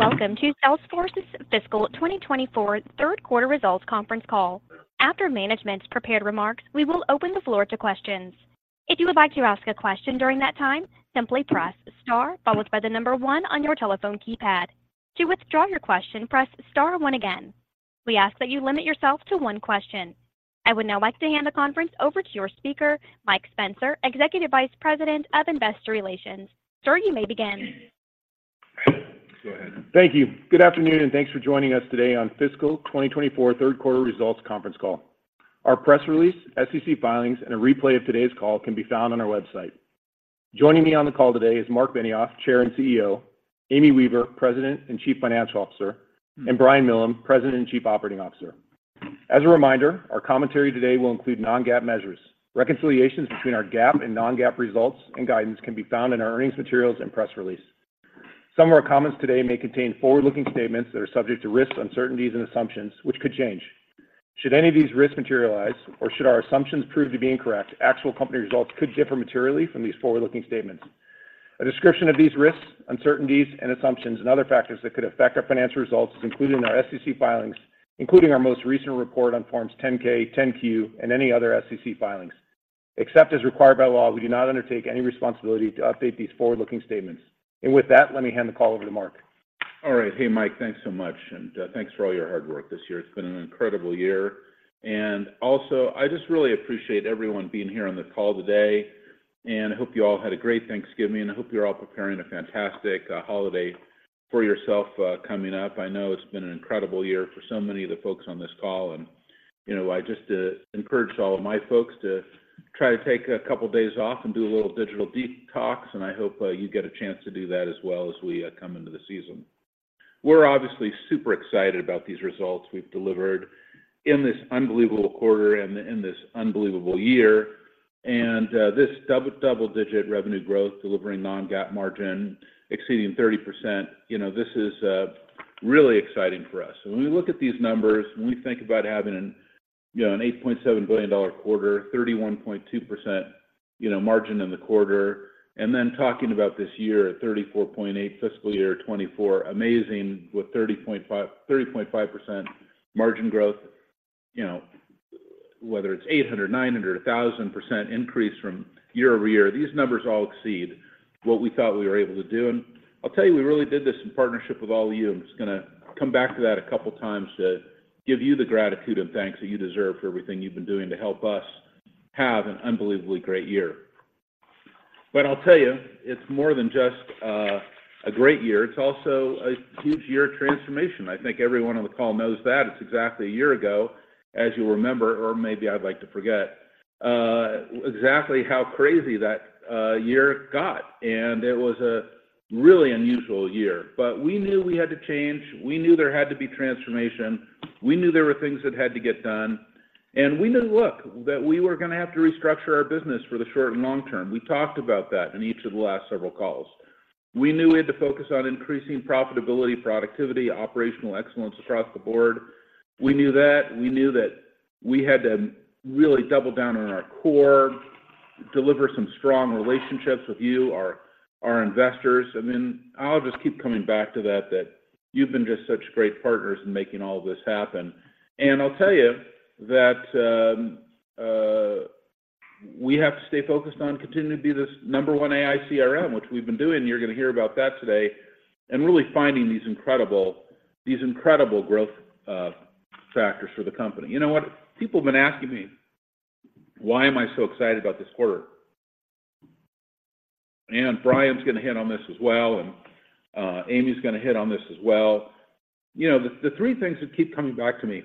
Welcome to Salesforce's Fiscal 2024 third quarter results conference call. After management's prepared remarks, we will open the floor to questions. If you would like to ask a question during that time, simply press star followed by the number one on your telephone keypad. To withdraw your question, press star one again. We ask that you limit yourself to one question. I would now like to hand the conference over to your speaker, Mike Spencer, Executive Vice President of Investor Relations. Sir, you may begin. Go ahead. Thank you. Good afternoon, and thanks for joining us today on Fiscal 2024 third quarter results conference call. Our press release, SEC filings, and a replay of today's call can be found on our website. Joining me on the call today is Marc Benioff, Chair and CEO, Amy Weaver, President and Chief Financial Officer, and Brian Millham, President and Chief Operating Officer. As a reminder, our commentary today will include non-GAAP measures. Reconciliations between our GAAP and non-GAAP results and guidance can be found in our earnings materials and press release. Some of our comments today may contain forward-looking statements that are subject to risks, uncertainties, and assumptions, which could change. Should any of these risks materialize or should our assumptions prove to be incorrect, actual company results could differ materially from these forward-looking statements. A description of these risks, uncertainties, and assumptions and other factors that could affect our financial results is included in our SEC filings, including our most recent report on Form 10-K, 10-Q, and any other SEC filings. Except as required by law, we do not undertake any responsibility to update these forward-looking statements. And with that, let me hand the call over to Marc. All right. Hey, Mike, thanks so much, and, thanks for all your hard work this year. It's been an incredible year, and also, I just really appreciate everyone being here on the call today. And I hope you all had a great Thanksgiving, and I hope you're all preparing a fantastic, holiday for yourself, coming up. I know it's been an incredible year for so many of the folks on this call, and, you know, I just encourage all of my folks to try to take a couple days off and do a little digital detox, and I hope you get a chance to do that as well as we come into the season. We're obviously super excited about these results we've delivered in this unbelievable quarter and in this unbelievable year, and this double-digit revenue growth, delivering non-GAAP margin exceeding 30%, you know, this is really exciting for us. So when we look at these numbers, when we think about having an, you know, an $8.7 billion quarter, 31.2%, you know, margin in the quarter, and then talking about this year at 34.8, fiscal year 2024, amazing, with 30.5, 30.5% margin growth, you know, whether it's 800, 900, 1,000% increase from year-over-year, these numbers all exceed what we thought we were able to do. And I'll tell you, we really did this in partnership with all of you. I'm just gonna come back to that a couple times to give you the gratitude and thanks that you deserve for everything you've been doing to help us have an unbelievably great year. But I'll tell you, it's more than just a great year. It's also a huge year of transformation. I think everyone on the call knows that. It's exactly a year ago, as you'll remember, or maybe I'd like to forget, exactly how crazy that year got, and it was a really unusual year. But we knew we had to change. We knew there had to be transformation. We knew there were things that had to get done, and we knew, look, that we were gonna have to restructure our business for the short and long term. We talked about that in each of the last several calls. We knew we had to focus on increasing profitability, productivity, operational excellence across the board. We knew that. We knew that we had to really double down on our core, deliver some strong relationships with you, our investors. I mean, I'll just keep coming back to that, that you've been just such great partners in making all of this happen. And I'll tell you that, we have to stay focused on continuing to be this number one AI CRM, which we've been doing, you're gonna hear about that today, and really finding these incredible, these incredible growth, factors for the company. You know what? People have been asking me, why am I so excited about this quarter? And Brian's gonna hit on this as well, and, Amy's gonna hit on this as well. You know, the, the three things that keep coming back to me,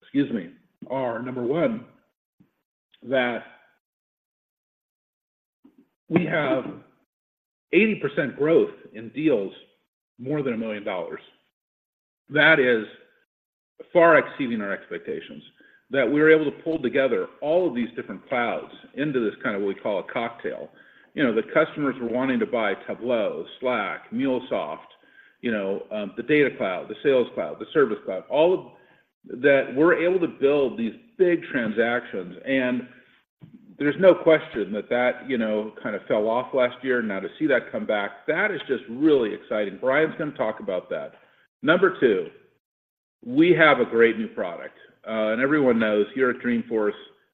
excuse me, are, number one, that we have 80% growth in deals more than $1 million. That is far exceeding our expectations, that we were able to pull together all of these different clouds into this kind of what we call a cocktail. You know, the customers were wanting to buy Tableau, Slack, MuleSoft, you know, the Data Cloud, the Sales Cloud, the Service Cloud, all of that we're able to build these big transactions, and there's no question that that, you know, kind of fell off last year. Now to see that come back, that is just really exciting. Brian's gonna talk about that. Number two, we have a great new product, and everyone knows here at Dreamforce,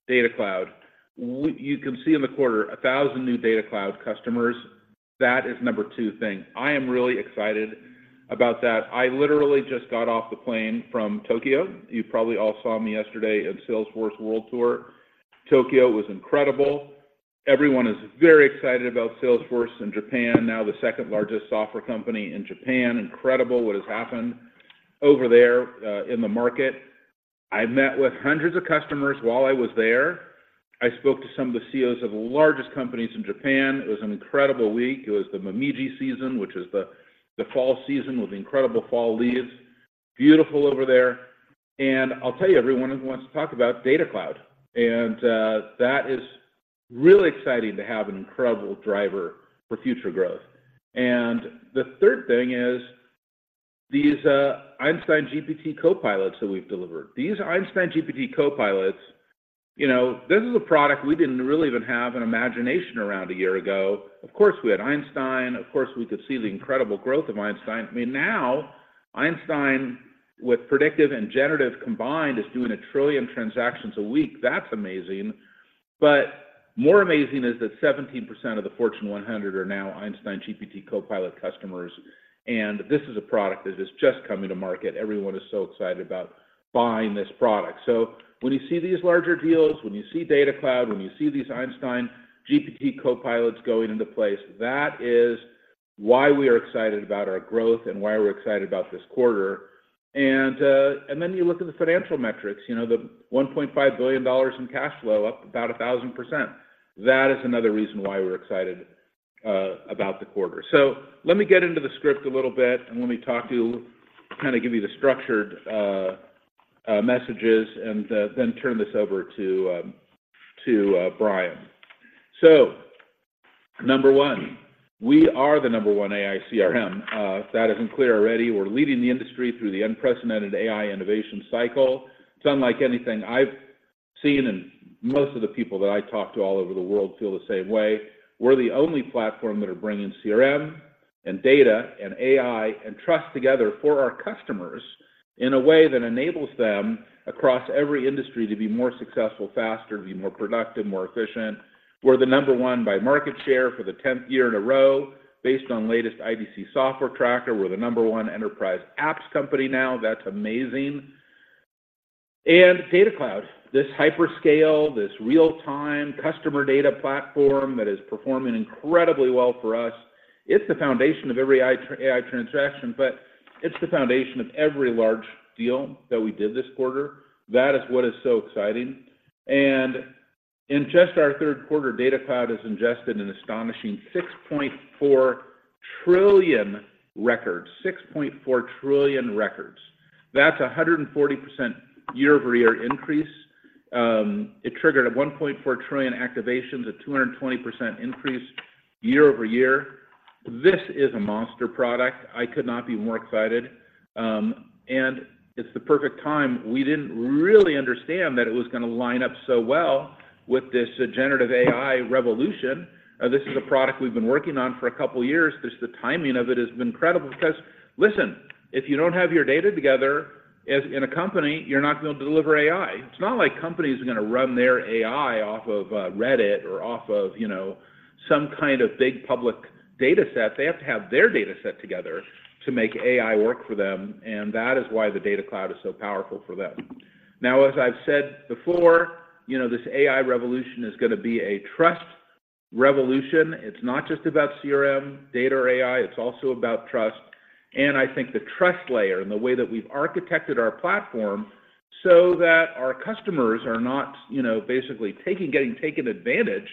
Data Cloud. You can see in the quarter, 1,000 new Data Cloud customers. That is number two thing. I am really excited about that. I literally just got off the plane from Tokyo. You probably all saw me yesterday at Salesforce World Tour. Tokyo was incredible. Everyone is very excited about Salesforce in Japan, now the second-largest software company in Japan. Incredible what has happened over there, in the market. I met with hundreds of customers while I was there. I spoke to some of the CEOs of the largest companies in Japan. It was an incredible week. It was the Momiji season, which is the fall season with incredible fall leaves. Beautiful over there. And I'll tell you, everyone wants to talk about Data Cloud, and, that is really exciting to have an incredible driver for future growth. And the third thing is these Einstein GPT Copilots that we've delivered, these Einstein GPT Copilots, you know, this is a product we didn't really even have an imagination around a year ago. Of course, we had Einstein. Of course, we could see the incredible growth of Einstein. I mean, now Einstein, with predictive and generative combined, is doing a trillion transactions a week. That's amazing. But more amazing is that 17% of the Fortune 100 are now Einstein GPT Copilot customers, and this is a product that is just coming to market. Everyone is so excited about buying this product. So when you see these larger deals, when you see Data Cloud, when you see these Einstein GPT Copilots going into place, that is why we are excited about our growth and why we're excited about this quarter. And, and then you look at the financial metrics, you know, the $1.5 billion in cash flow, up about 1,000%. That is another reason why we're excited about the quarter. So let me get into the script a little bit, and let me talk to you, kind of give you the structured messages, and then turn this over to Brian. So number one, we are the number one AI CRM. If that isn't clear already, we're leading the industry through the unprecedented AI innovation cycle. It's unlike anything I've seen, and most of the people that I talk to all over the world feel the same way. We're the only platform that are bringing CRM and data and AI and trust together for our customers in a way that enables them across every industry to be more successful, faster, be more productive, more efficient. We're the number one by market share for the tenth year in a row, based on latest IDC software tracker. We're the number one enterprise apps company now. That's amazing. And Data Cloud, this hyperscale, this real-time customer data platform that is performing incredibly well for us, it's the foundation of every AI transaction, but it's the foundation of every large deal that we did this quarter. That is what is so exciting. And in just our third quarter, Data Cloud has ingested an astonishing 6.4 trillion records. 6.4 trillion records. That's a 140% year-over-year increase. It triggered a 1.4 trillion activations, a 220% increase year-over-year. This is a monster product. I could not be more excited, and it's the perfect time. We didn't really understand that it was gonna line up so well with this generative AI revolution. This is a product we've been working on for a couple of years. Just the timing of it has been incredible, 'cause listen, if you don't have your data together as in a company, you're not going to be able to deliver AI. It's not like companies are gonna run their AI off of, Reddit or off of, you know, some kind of big public data set. They have to have their data set together to make AI work for them, and that is why the Data Cloud is so powerful for them. Now, as I've said before, you know, this AI revolution is gonna be a trust revolution. It's not just about CRM, data, or AI, it's also about trust. And I think the Trust Layer and the way that we've architected our Platform so that our customers are not, you know, basically taking, getting taken advantage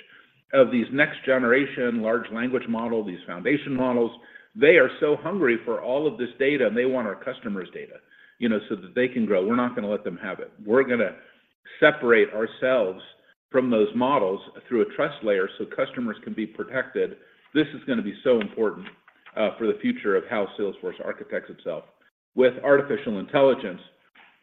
of these next-generation large language models, these Foundation Models. They are so hungry for all of this data, and they want our customers' data, you know, so that they can grow. We're not gonna let them have it. We're gonna separate ourselves from those models through a trust layer so customers can be protected. This is gonna be so important for the future of how Salesforce architects itself with artificial intelligence.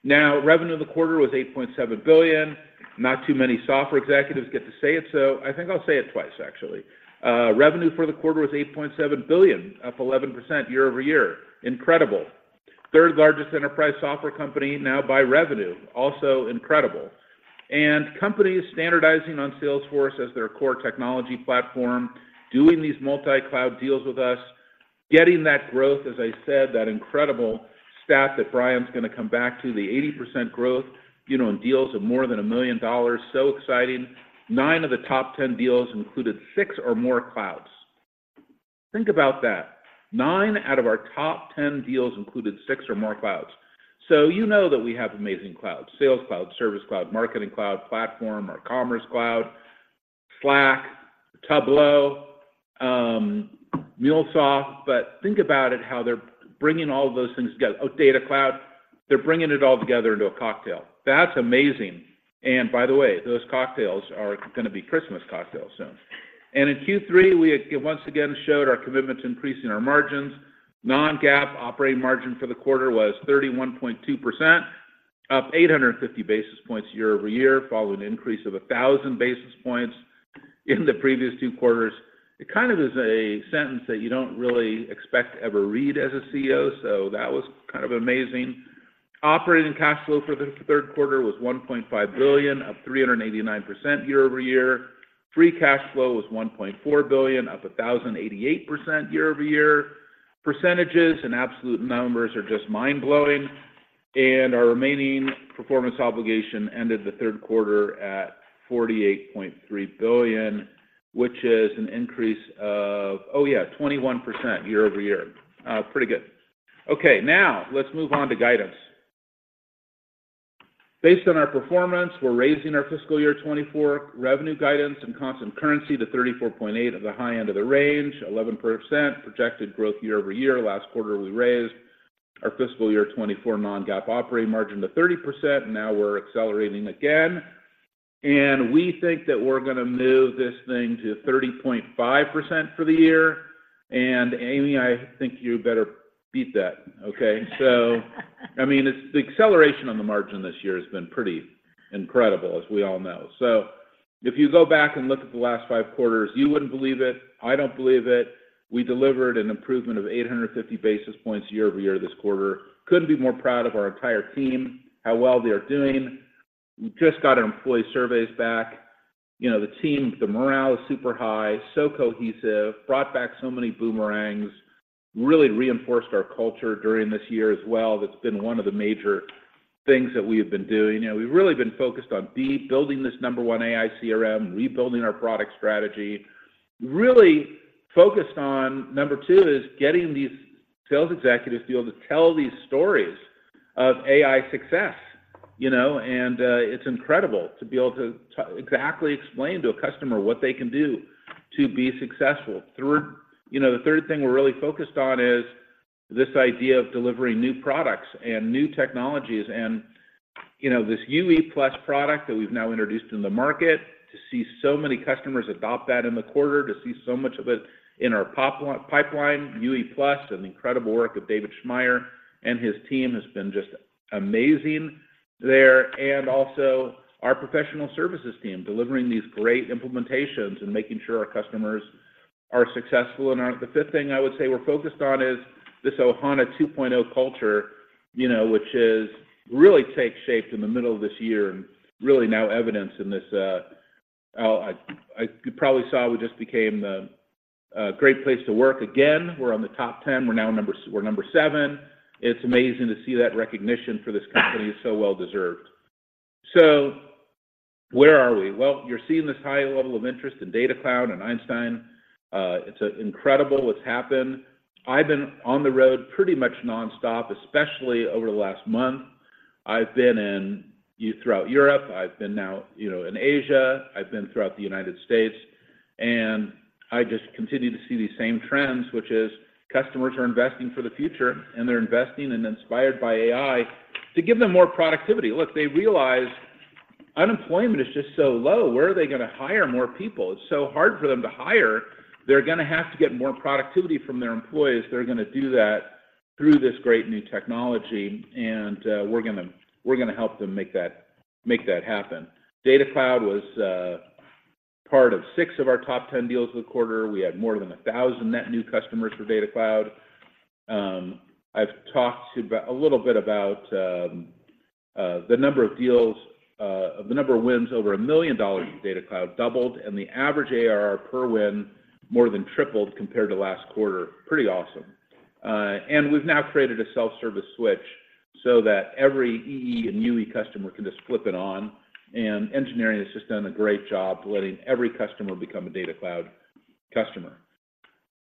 Now, revenue in the quarter was $8.7 billion. Not too many software executives get to say it, so I think I'll say it twice, actually. Revenue for the quarter was $8.7 billion, up 11% year-over-year. Incredible. Third largest enterprise software company now by revenue, also incredible. Companies standardizing on Salesforce as their core technology platform, doing these multi-cloud deals with us, getting that growth, as I said, that incredible stat that Brian's gonna come back to, the 80% growth, you know, in deals of more than $1 million. So exciting. Nine of the top 10 deals included six or more clouds. Think about that. Nine out of our top 10 deals included six or more clouds. So you know that we have amazing clouds, Sales Cloud, Service Cloud, Marketing Cloud, Platform, our Commerce Cloud, Slack, Tableau, MuleSoft. But think about it, how they're bringing all of those things together. Oh, Data Cloud. They're bringing it all together into a cocktail. That's amazing, and by the way, those cocktails are gonna be Christmas cocktails soon. And in Q3, we once again showed our commitment to increasing our margins. Non-GAAP operating margin for the quarter was 31.2%, up 850 basis points year-over-year, following an increase of 1,000 basis points in the previous two quarters. It kind of is a sentence that you don't really expect to ever read as a CEO, so that was kind of amazing. Operating cash flow for the third quarter was $1.5 billion, up 389% year-over-year. Free cash flow was $1.4 billion, up 1,088% year-over-year. Percentages and absolute numbers are just mind-blowing, and our remaining performance obligation ended the third quarter at $48.3 billion, which is an increase of, oh, yeah, 21% year-over-year. Pretty good. Okay, now let's move on to guidance. Based on our performance, we're raising our fiscal year 2024 revenue guidance and constant currency to 34.8 at the high end of the range, 11% projected growth year-over-year. Last quarter, we raised our fiscal year 2024 non-GAAP operating margin to 30%. Now we're accelerating again. We think that we're gonna move this thing to 30.5% for the year, and Amy, I think you better beat that, okay? So, I mean, it's the acceleration on the margin this year has been pretty incredible, as we all know. So if you go back and look at the last five quarters, you wouldn't believe it. I don't believe it. We delivered an improvement of 850 basis points year-over-year this quarter. Couldn't be more proud of our entire team, how well they are doing. We just got our employee surveys back. You know, the team, the morale is super high, so cohesive, brought back so many Boomerangs, really reinforced our culture during this year as well. That's been one of the major things that we have been doing, you know. We've really been focused on building this number 1 AI CRM, rebuilding our product strategy. Really focused on, number 2, is getting these sales executives to be able to tell these stories of AI success, you know, and, it's incredible to be able to exactly explain to a customer what they can do to be successful. You know, the third thing we're really focused on is this idea of delivering new products and new technologies and, you know, this UE+ product that we've now introduced in the market, to see so many customers adopt that in the quarter, to see so much of it in our pipeline, UE+, and the incredible work of David Schmaier and his team has been just amazing there. And also, our professional services team, delivering these great implementations and making sure our customers are successful and are... The fifth thing I would say we're focused on is this Ohana 2.0 culture, you know, which is really take shape in the middle of this year and really now evidenced in this. Oh, I you probably saw we just became a great place to work again. We're on the top 10. We're now number 7. It's amazing to see that recognition for this company. It's so well-deserved. So where are we? Well, you're seeing this high level of interest in Data Cloud and Einstein. It's incredible what's happened. I've been on the road pretty much nonstop, especially over the last month. I've been throughout Europe. I've been now, you know, in Asia. I've been throughout the United States, and I just continue to see these same trends, which is customers are investing for the future, and they're investing and inspired by AI to give them more productivity. Look, they realize unemployment is just so low. Where are they gonna hire more people? It's so hard for them to hire. They're gonna have to get more productivity from their employees. They're gonna do that through this great new technology, and we're gonna help them make that happen. Data Cloud was part of six of our top 10 deals this quarter. We had more than 1,000 net new customers for Data Cloud. I've talked a little bit about the number of wins over $1 million in Data Cloud doubled, and the average ARR per win more than tripled compared to last quarter. Pretty awesome. And we've now created a self-service switch so that every EE and UE customer can just flip it on, and engineering has just done a great job letting every customer become a Data Cloud customer.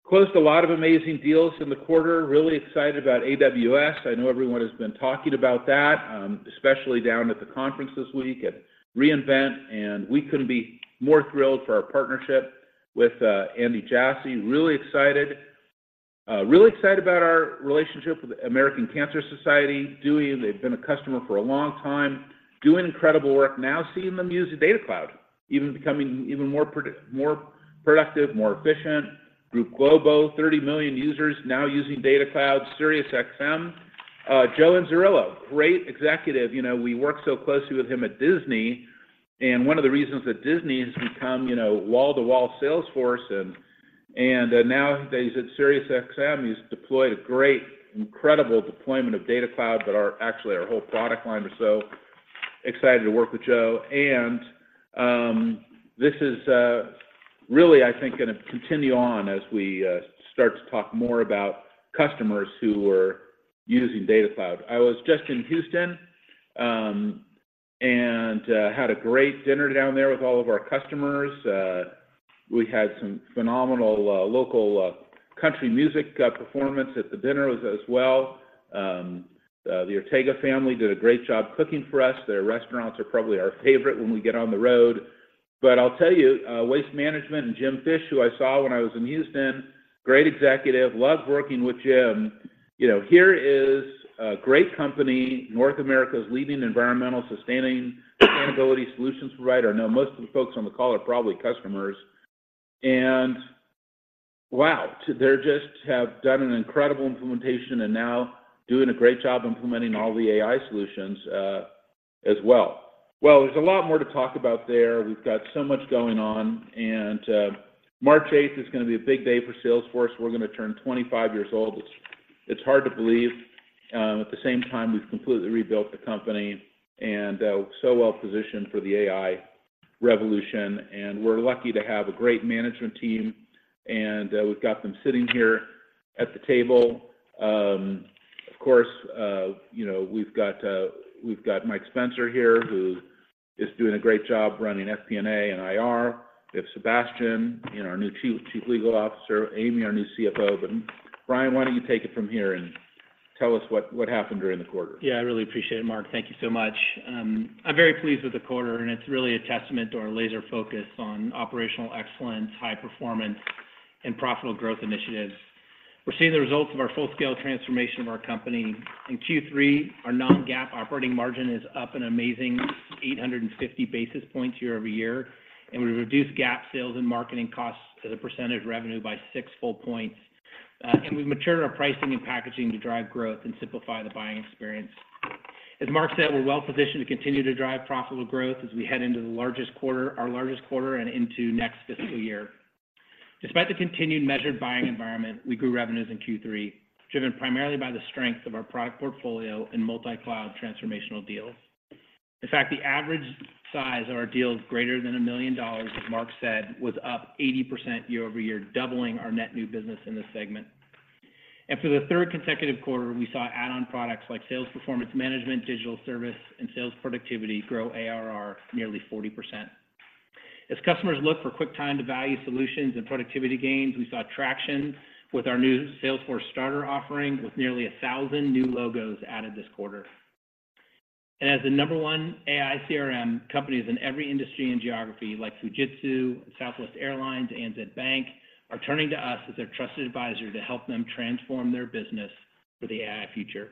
Closed a lot of amazing deals in the quarter. Really excited about AWS. I know everyone has been talking about that, especially down at the conference this week at reInvent, and we couldn't be more thrilled for our partnership with Andy Jassy. Really excited. Really excited about our relationship with the American Cancer Society. They've been a customer for a long time, doing incredible work, now seeing them use the Data Cloud, even becoming even more productive, more efficient. Grupo Globo, 30 million users now using Data Cloud, Sirius XM. Joe Inzerillo, great executive. You know, we worked so closely with him at Disney, and one of the reasons that Disney has become, you know, wall-to-wall Salesforce and, now that he's at Sirius XM, he's deployed a great, incredible deployment of Data Cloud, but actually our whole product line is so excited to work with Joe. This is really, I think, gonna continue on as we start to talk more about customers who are using Data Cloud. I was just in Houston and had a great dinner down there with all of our customers. We had some phenomenal local country music performance at the dinner as well. The Ortega family did a great job cooking for us. Their restaurants are probably our favorite when we get on the road. But I'll tell you, Waste Management and Jim Fish, who I saw when I was in Houston, great executive, loved working with Jim. You know, here is a great company, North America's leading environmental sustainability solutions provider. I know most of the folks on the call are probably customers. And wow, they just have done an incredible implementation and now doing a great job implementing all the AI solutions, as well. Well, there's a lot more to talk about there. We've got so much going on, and, March eighth is gonna be a big day for Salesforce. We're gonna turn 25 years old. It's, it's hard to believe. At the same time, we've completely rebuilt the company, and, we're so well positioned for the AI revolution, and we're lucky to have a great management team, and, we've got them sitting here at the table. Of course, you know, we've got, we've got Mike Spencer here, who is doing a great job running FP&A and IR. We have Sabastian, and our new Chief Legal Officer, Amy, our new CFO. But Brian, why don't you take it from here and tell us what happened during the quarter? Yeah, I really appreciate it, Marc. Thank you so much. I'm very pleased with the quarter, and it's really a testament to our laser focus on operational excellence, high performance, and profitable growth initiatives. We're seeing the results of our full-scale transformation of our company. In Q3, our non-GAAP operating margin is up an amazing 850 basis points year-over-year, and we reduced GAAP sales and marketing costs as a percentage of revenue by six full points. And we've matured our pricing and packaging to drive growth and simplify the buying experience. As Marc said, we're well positioned to continue to drive profitable growth as we head into the largest quarter, our largest quarter, and into next fiscal year. Despite the continued measured buying environment, we grew revenues in Q3, driven primarily by the strength of our product portfolio and multi-cloud transformational deals. In fact, the average size of our deals greater than $1 million, as Marc said, was up 80% year-over-year, doubling our net new business in this segment. For the third consecutive quarter, we saw add-on products like sales performance management, digital service, and sales productivity grow ARR nearly 40%. As customers look for quick time to value solutions and productivity gains, we saw traction with our new Salesforce Starter offering, with nearly 1,000 new logos added this quarter. As the No. 1 AI CRM, companies in every industry and geography, like Fujitsu, Southwest Airlines, and ANZ Bank, are turning to us as their trusted advisor to help them transform their business for the AI future.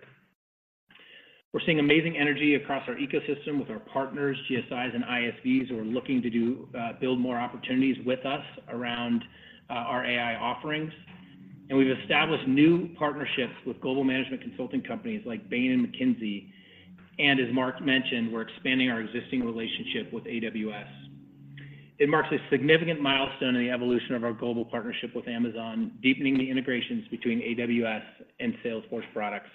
We're seeing amazing energy across our ecosystem with our partners, GSIs and ISVs, who are looking to do, build more opportunities with us around, our AI offerings. We've established new partnerships with global management consulting companies like Bain and McKinsey, and as Marc mentioned, we're expanding our existing relationship with AWS. It marks a significant milestone in the evolution of our global partnership with Amazon, deepening the integrations between AWS and Salesforce products.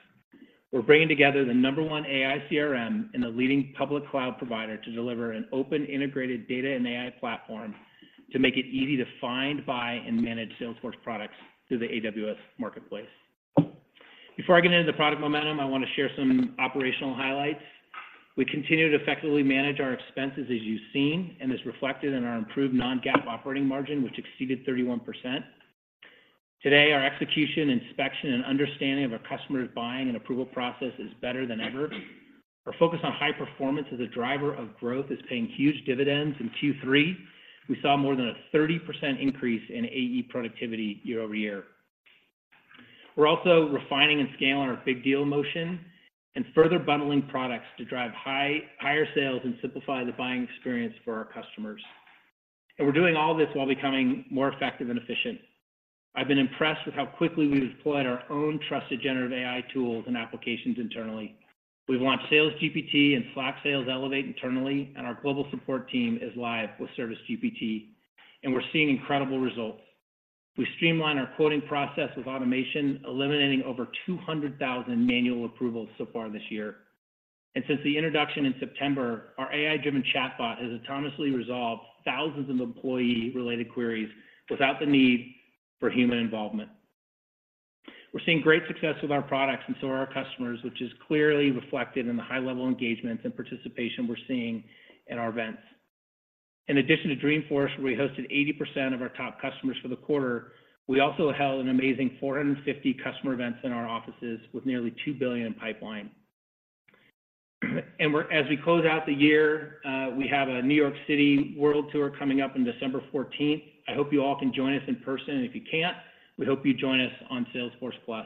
We're bringing together the number one AI CRM and the leading public cloud provider to deliver an open, integrated data and AI platform to make it easy to find, buy, and manage Salesforce products through the AWS marketplace. Before I get into the product momentum, I want to share some operational highlights. We continue to effectively manage our expenses, as you've seen, and is reflected in our improved non-GAAP operating margin, which exceeded 31%. Today, our execution, inspection, and understanding of our customers' buying and approval process is better than ever. Our focus on high performance as a driver of growth is paying huge dividends in Q3. We saw more than a 30% increase in AE productivity year-over-year. We're also refining and scaling our big deal motion and further bundling products to drive high- higher sales and simplify the buying experience for our customers. We're doing all this while becoming more effective and efficient. I've been impressed with how quickly we deployed our own trusted generative AI tools and applications internally. We've launched Sales GPT and Slack Sales Elevate internally, and our global support team is live with Service GPT, and we're seeing incredible results. We streamlined our quoting process with automation, eliminating over 200,000 manual approvals so far this year. And since the introduction in September, our AI-driven chatbot has autonomously resolved thousands of employee-related queries without the need for human involvement. We're seeing great success with our products and so are our customers, which is clearly reflected in the high level of engagements and participation we're seeing at our events. In addition to Dreamforce, where we hosted 80% of our top customers for the quarter, we also held an amazing 450 customer events in our offices with nearly $2 billion in pipeline. And we're, as we close out the year, we have a New York City World Tour coming up in December fourteenth. I hope you all can join us in person, and if you can't, we hope you join us on Salesforce+.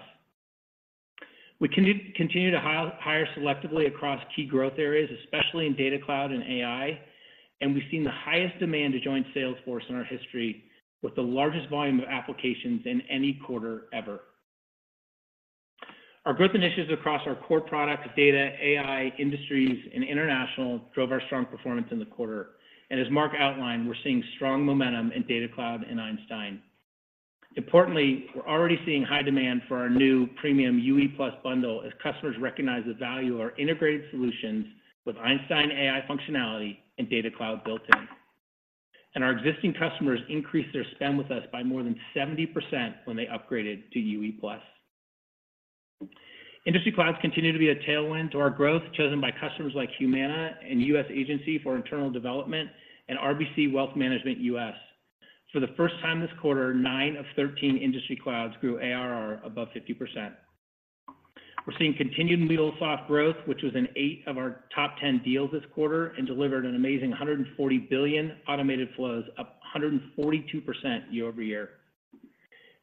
We continue to hire selectively across key growth areas, especially in Data Cloud and AI, and we've seen the highest demand to join Salesforce in our history, with the largest volume of applications in any quarter ever. Our growth initiatives across our core products, data, AI, industries, and international, drove our strong performance in the quarter. As Marc outlined, we're seeing strong momentum in Data Cloud and Einstein. Importantly, we're already seeing high demand for our new premium UE+ bundle as customers recognize the value of our integrated solutions with Einstein AI functionality and Data Cloud built in. Our existing customers increased their spend with us by more than 70% when they upgraded to UE+. Industry Clouds continue to be a tailwind to our growth, chosen by customers like Humana and US Agency for International Development and RBC Wealth Management US. For the first time this quarter, 9 of 13 Industry Clouds grew ARR above 50%. We're seeing continued MuleSoft growth, which was in 8 of our top 10 deals this quarter and delivered an amazing 140 billion automated flows, up 142%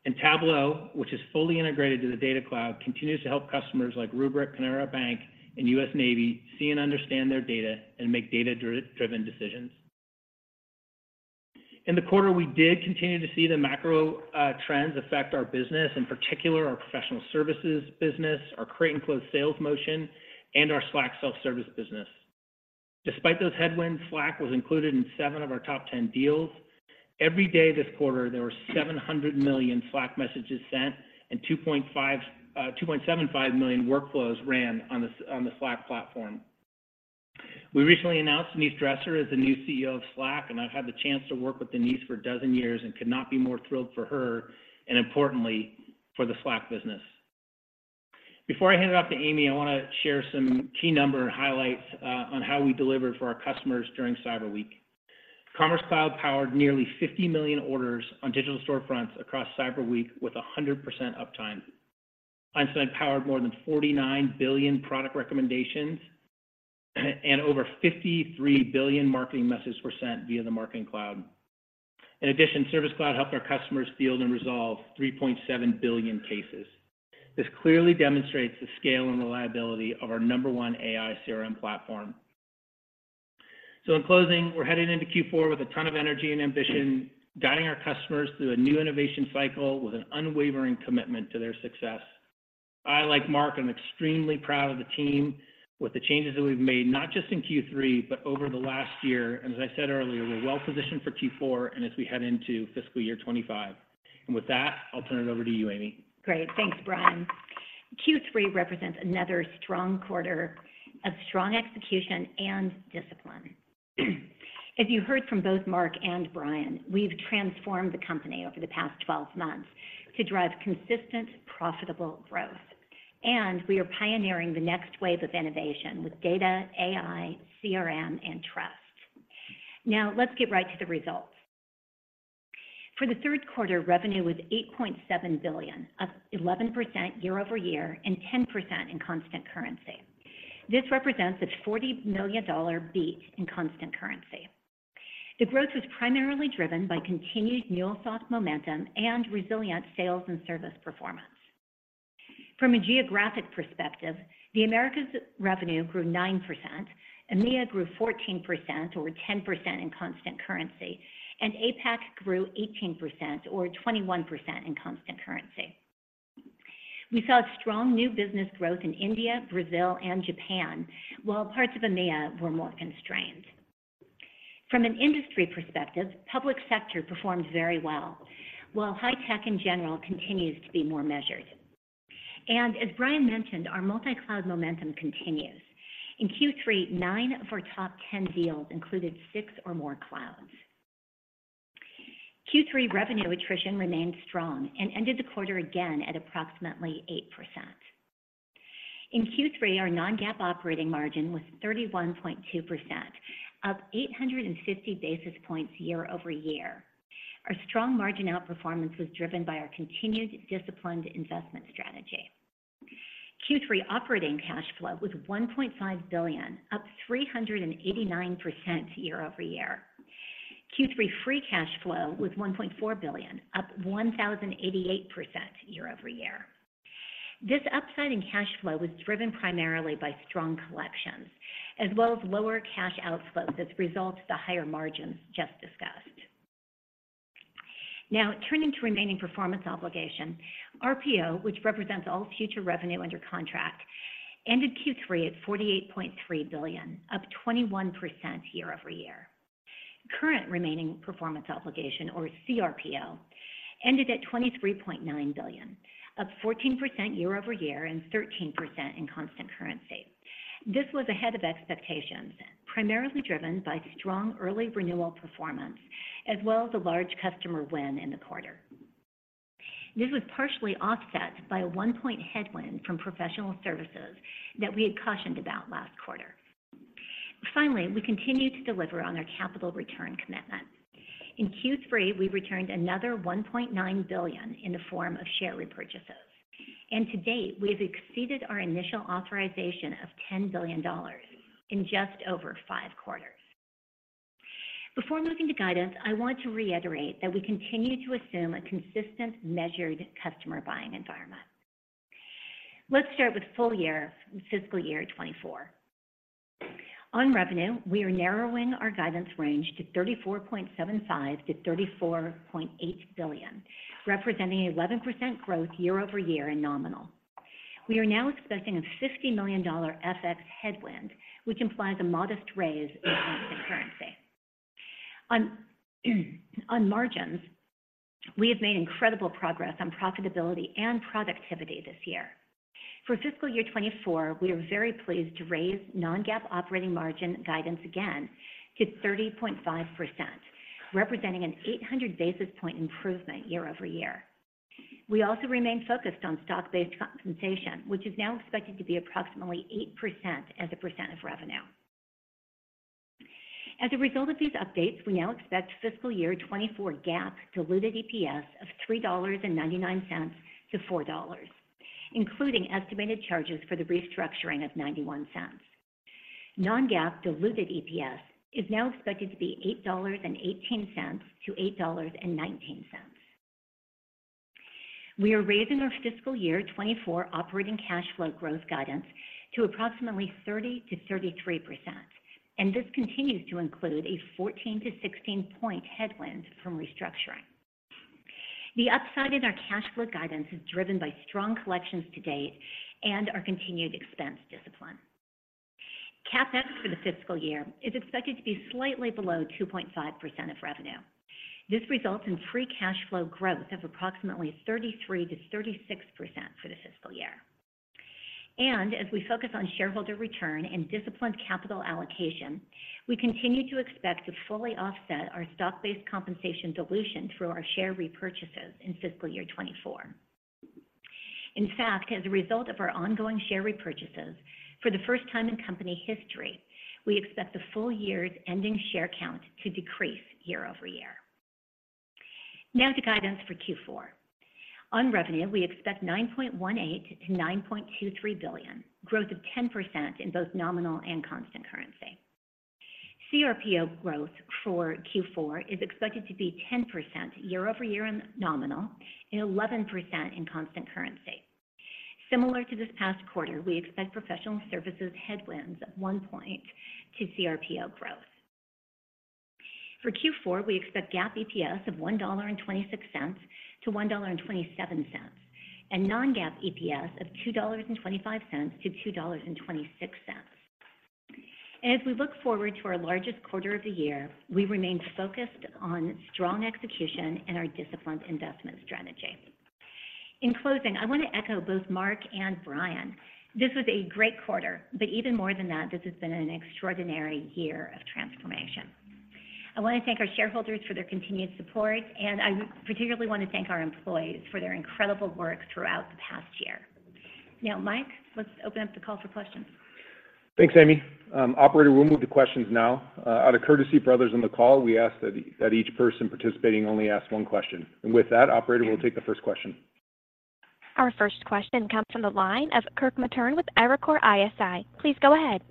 year-over-year. Tableau, which is fully integrated into the Data Cloud, continues to help customers like Rubrik, Panera Bread, and US Navy see and understand their data and make data-driven decisions. In the quarter, we did continue to see the macro trends affect our business, in particular, our professional services business, our create and close sales motion, and our Slack self-service business. Despite those headwinds, Slack was included in 7 of our top 10 deals. Every day this quarter, there were 700 million Slack messages sent, and 2.5, 2.75 million workflows ran on the, on the Slack platform. We recently announced Denise Dresser as the new CEO of Slack, and I've had the chance to work with Denise for a dozen years and could not be more thrilled for her, and importantly, for the Slack business. Before I hand it off to Amy, I want to share some key number and highlights on how we delivered for our customers during Cyber Week. Commerce Cloud powered nearly 50 million orders on digital storefronts across Cyber Week with 100% uptime. Einstein powered more than 49 billion product recommendations, and over 53 billion marketing messages were sent via the Marketing Cloud. In addition, Service Cloud helped our customers field and resolve 3.7 billion cases. This clearly demonstrates the scale and reliability of our number one AI CRM platform. In closing, we're heading into Q4 with a ton of energy and ambition, guiding our customers through a new innovation cycle with an unwavering commitment to their success. I, like Mark, am extremely proud of the team with the changes that we've made, not just in Q3, but over the last year. As I said earlier, we're well positioned for Q4 and as we head into fiscal year 25. With that, I'll turn it over to you, Amy. Great. Thanks, Brian. Q3 represents another strong quarter of strong execution and discipline. As you heard from both Marc and Brian, we've transformed the company over the past 12 months to drive consistent, profitable growth, and we are pioneering the next wave of innovation with data, AI, CRM, and trust. Now, let's get right to the results. For the third quarter, revenue was $8.7 billion, up 11% year-over-year and 10% in constant currency. This represents a $40 million beat in constant currency. The growth was primarily driven by continued MuleSoft momentum and resilient sales and service performance. From a geographic perspective, the Americas revenue grew 9%, EMEA grew 14%, or 10% in constant currency, and APAC grew 18%, or 21% in constant currency. We saw strong new business growth in India, Brazil, and Japan, while parts of EMEA were more constrained. From an industry perspective, public sector performed very well, while high tech in general continues to be more measured. And as Brian mentioned, our multi-cloud momentum continues. In Q3, 9 of our top 10 deals included 6 or more clouds. Q3 revenue attrition remained strong and ended the quarter again at approximately 8%. In Q3, our non-GAAP operating margin was 31.2%, up 850 basis points year-over-year. Our strong margin outperformance was driven by our continued disciplined investment strategy. Q3 operating cash flow was $1.5 billion, up 389% year-over-year. Q3 free cash flow was $1.4 billion, up 1,088% year-over-year. This upside in cash flow was driven primarily by strong collections, as well as lower cash outflows as a result of the higher margins just discussed. Now, turning to remaining performance obligation, RPO, which represents all future revenue under contract, ended Q3 at $48.3 billion, up 21% year-over-year. Current remaining performance obligation, or CRPO, ended at $23.9 billion, up 14% year-over-year and 13% in constant currency. This was ahead of expectations, primarily driven by strong early renewal performance, as well as a large customer win in the quarter. This was partially offset by a one-point headwind from professional services that we had cautioned about last quarter. Finally, we continued to deliver on our capital return commitment. In Q3, we returned another $1.9 billion in the form of share repurchases, and to date, we have exceeded our initial authorization of $10 billion in just over 5 quarters. Before moving to guidance, I want to reiterate that we continue to assume a consistent, measured customer buying environment. Let's start with full year, fiscal year 2024. On revenue, we are narrowing our guidance range to $34.75 billion-$34.8 billion, representing 11% growth year-over-year in nominal. We are now expecting a $50 million FX headwind, which implies a modest raise in constant currency. On margins, we have made incredible progress on profitability and productivity this year. For fiscal year 2024, we are very pleased to raise non-GAAP operating margin guidance again to 30.5%, representing an 800 basis point improvement year-over-year. We also remain focused on stock-based compensation, which is now expected to be approximately 8% as a percent of revenue. As a result of these updates, we now expect fiscal year 2024 GAAP diluted EPS of $3.99-$4, including estimated charges for the restructuring of $0.91. Non-GAAP diluted EPS is now expected to be $8.18-$8.19. We are raising our fiscal year 2024 operating cash flow growth guidance to approximately 30%-33%, and this continues to include a 14- to 16-point headwind from restructuring. The upside in our cash flow guidance is driven by strong collections to date and our continued expense discipline. CapEx for the fiscal year is expected to be slightly below 2.5% of revenue. This results in free cash flow growth of approximately 33%-36% for the fiscal year. As we focus on shareholder return and disciplined capital allocation, we continue to expect to fully offset our stock-based compensation dilution through our share repurchases in fiscal year 2024. In fact, as a result of our ongoing share repurchases, for the first time in company history, we expect the full year's ending share count to decrease year-over-year. Now to guidance for Q4. On revenue, we expect $9.18 billion-$9.23 billion, growth of 10% in both nominal and constant currency. CRPO growth for Q4 is expected to be 10% year-over-year in nominal and 11% in constant currency. Similar to this past quarter, we expect professional services headwinds of 1 point to CRPO growth. For Q4, we expect GAAP EPS of $1.26-$1.27, and non-GAAP EPS of $2.25-$2.26. As we look forward to our largest quarter of the year, we remain focused on strong execution and our disciplined investment strategy. In closing, I want to echo both Marc and Brian. This was a great quarter, but even more than that, this has been an extraordinary year of transformation. I want to thank our shareholders for their continued support, and I particularly want to thank our employees for their incredible work throughout the past year. Now, Mike, let's open up the call for questions. Thanks, Amy. Operator, we'll move to questions now. Out of courtesy for others on the call, we ask that, that each person participating only ask one question. With that, operator, we'll take the first question. Our first question comes from the line of Kirk Materne with Evercore ISI. Please go ahead.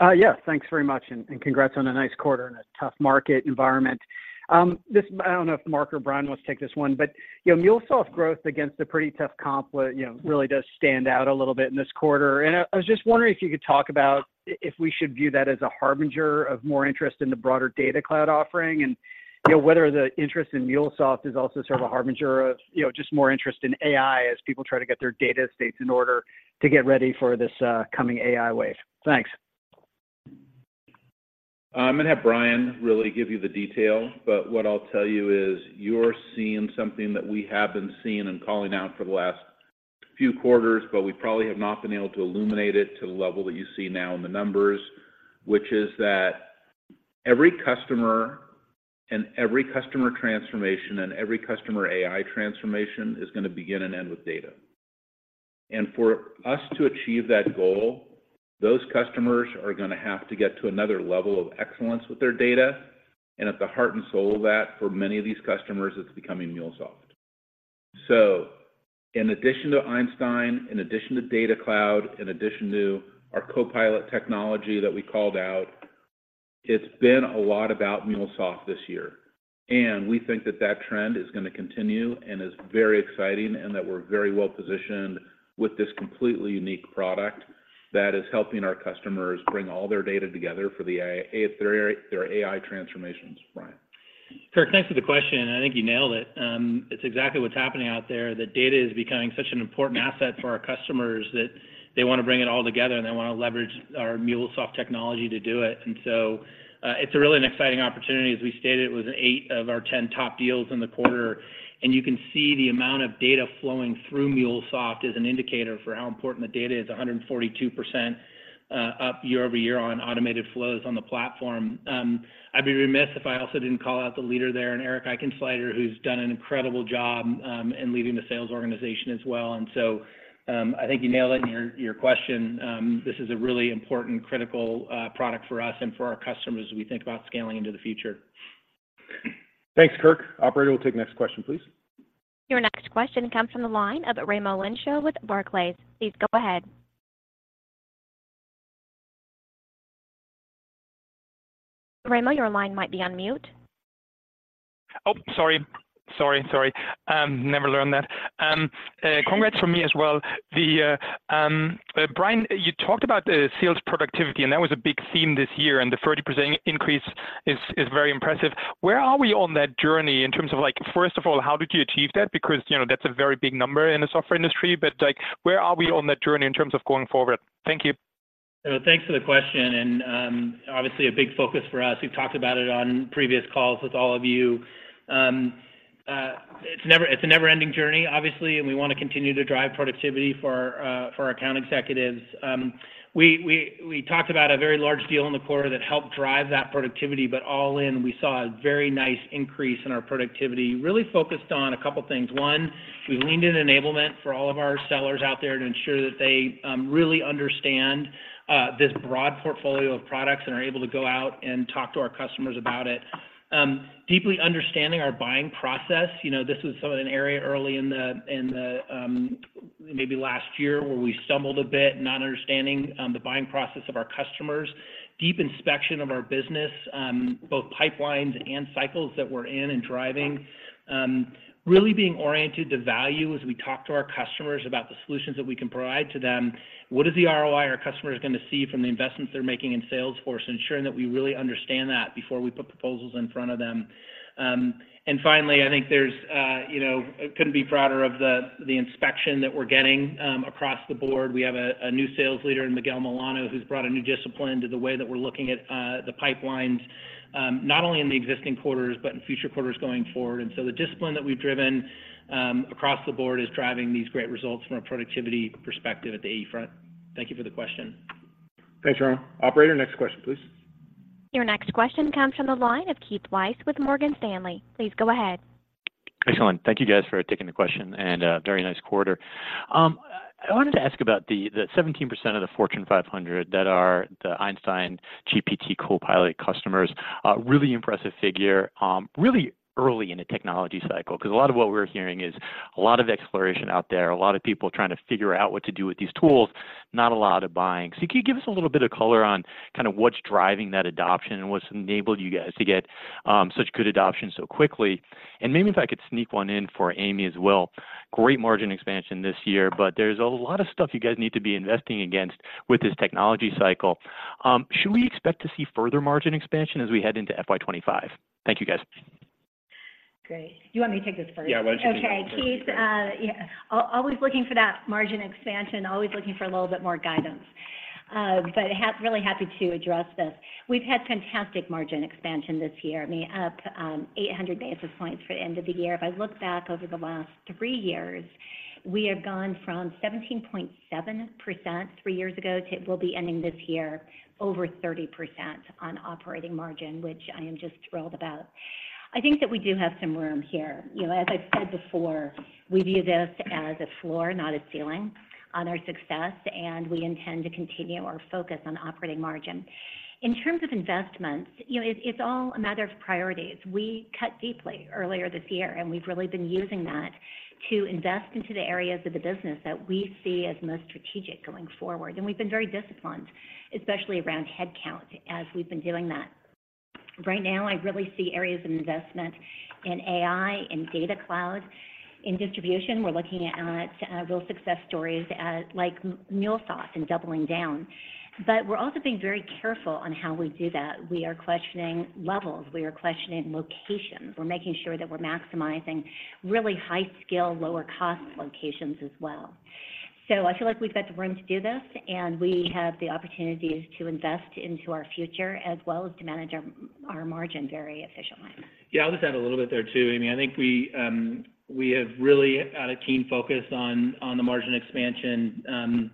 Yes, thanks very much, and congrats on a nice quarter in a tough market environment. I don't know if Marc or Brian wants to take this one, but you know, MuleSoft's growth against a pretty tough comp really does stand out a little bit in this quarter. I was just wondering if you could talk about if we should view that as a harbinger of more interest in the broader Data Cloud offering, and you know, whether the interest in MuleSoft is also sort of a harbinger of just more interest in AI as people try to get their data estates in order to get ready for this coming AI wave. Thanks. I'm going to have Brian really give you the detail, but what I'll tell you is you're seeing something that we have been seeing and calling out for the last few quarters, but we probably have not been able to illuminate it to the level that you see now in the numbers, which is that every customer and every customer transformation and every customer AI transformation is going to begin and end with data. And for us to achieve that goal, those customers are going to have to get to another level of excellence with their data, and at the heart and soul of that, for many of these customers, it's becoming MuleSoft. So in addition to Einstein, in addition to Data Cloud, in addition to our Copilot technology that we called out, it's been a lot about MuleSoft this year. We think that that trend is going to continue and is very exciting, and that we're very well-positioned with this completely unique product that is helping our customers bring all their data together for the AI, their, their AI transformations, Brian? Kirk, thanks for the question, and I think you nailed it. It's exactly what's happening out there, that data is becoming such an important asset for our customers, that they want to bring it all together, and they want to leverage our MuleSoft technology to do it. It's really an exciting opportunity, as we stated, it was 8 of our 10 top deals in the quarter, and you can see the amount of data flowing through MuleSoft as an indicator for how important the data is, 142% up year-over-year on automated flows on the platform. I'd be remiss if I also didn't call out the leader there, and Eric Eichensneider, who's done an incredible job in leading the sales organization as well. I think you nailed it in your, your question. This is a really important, critical, product for us and for our customers as we think about scaling into the future. Thanks, Kirk. Operator, we'll take the next question, please. Your next question comes from the line of Raimo Lenschow with Barclays. Please go ahead. Raimo, your line might be on mute. Oh, sorry. Sorry, sorry. Never learned that. Congrats from me as well. The, Brian, you talked about the sales productivity, and that was a big theme this year, and the 30% increase is very impressive. Where are we on that journey in terms of, like, first of all, how did you achieve that? Because, you know, that's a very big number in the software industry. But, like, where are we on that journey in terms of going forward? Thank you. So thanks for the question, and obviously, a big focus for us. We've talked about it on previous calls with all of you. It's a never-ending journey, obviously, and we want to continue to drive productivity for our account executives. We talked about a very large deal in the quarter that helped drive that productivity, but all in, we saw a very nice increase in our productivity, really focused on a couple things. One, we leaned in enablement for all of our sellers out there to ensure that they really understand this broad portfolio of products and are able to go out and talk to our customers about it. Deeply understanding our buying process. You know, this was sort of an area early in the, maybe last year, where we stumbled a bit, not understanding the buying process of our customers. Deep inspection of our business, both pipelines and cycles that we're in and driving. Really being oriented to value as we talk to our customers about the solutions that we can provide to them. What is the ROI our customers are going to see from the investments they're making in Salesforce? Ensuring that we really understand that before we put proposals in front of them. And finally, I think there's, you know, couldn't be prouder of the inspection that we're getting across the board. We have a new sales leader in Miguel Milano, who's brought a new discipline to the way that we're looking at the pipelines, not only in the existing quarters, but in future quarters going forward. And so the discipline that we've driven across the board is driving these great results from a productivity perspective at the AE front. Thank you for the question. Thanks, Raimo. Operator, next question, please. Your next question comes from the line of Keith Weiss with Morgan Stanley. Please go ahead. Excellent. Thank you guys for taking the question, and very nice quarter. I wanted to ask about the seventeen percent of the Fortune five hundred that are the Einstein GPT Copilot customers. A really impressive figure, really early in a technology cycle, 'cause a lot of what we're hearing is a lot of exploration out there, a lot of people trying to figure out what to do with these tools, not a lot of buying. So could you give us a little bit of color on kind of what's driving that adoption, and what's enabled you guys to get such good adoption so quickly? And maybe if I could sneak one in for Amy as well. Great margin expansion this year, but there's a lot of stuff you guys need to be investing against with this technology cycle. Should we expect to see further margin expansion as we head into FY 25? Thank you, guys. Great. You want me to take this first? Yeah, why don't you- Okay, Keith, always looking for that margin expansion, always looking for a little bit more guidance. Really happy to address this. We've had fantastic margin expansion this year, I mean, up 800 basis points for the end of the year. If I look back over the last 3 years, we have gone from 17.7% 3 years ago, to we'll be ending this year over 30% on operating margin, which I am just thrilled about. I think that we do have some room here. You know, as I've said before, we view this as a floor, not a ceiling on our success, and we intend to continue our focus on operating margin. In terms of investments, you know, it, it's all a matter of priorities. We cut deeply earlier this year, and we've really been using that to invest into the areas of the business that we see as most strategic going forward. We've been very disciplined, especially around headcount, as we've been doing that. Right now, I really see areas of investment in AI and Data Cloud. In distribution, we're looking at real success stories like MuleSoft and doubling down. But we're also being very careful on how we do that. We are questioning levels, we are questioning locations. We're making sure that we're maximizing really high-skill, lower-cost locations as well. I feel like we've got the room to do this, and we have the opportunities to invest into our future, as well as to manage our margin very efficiently. Yeah, I'll just add a little bit there too, Amy. I think we have really had a team focus on the margin expansion.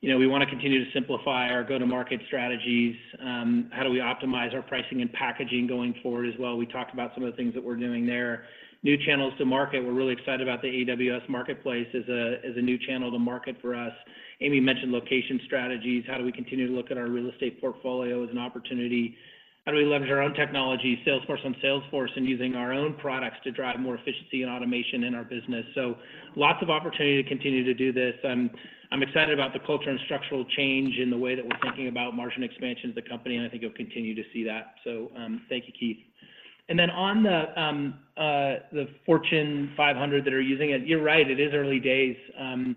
You know, we want to continue to simplify our go-to-market strategies. How do we optimize our pricing and packaging going forward as well? We talked about some of the things that we're doing there. New channels to market. We're really excited about the AWS marketplace as a new channel to market for us. Amy mentioned location strategies. How do we continue to look at our real estate portfolio as an opportunity? How do we leverage our own technology, Salesforce on Salesforce, and using our own products to drive more efficiency and automation in our business? So lots of opportunity to continue to do this. I'm excited about the culture and structural change in the way that we're thinking about margin expansion of the company, and I think you'll continue to see that. So, thank you, Keith. And then on the, the Fortune 500 that are using it, you're right, it is early days. And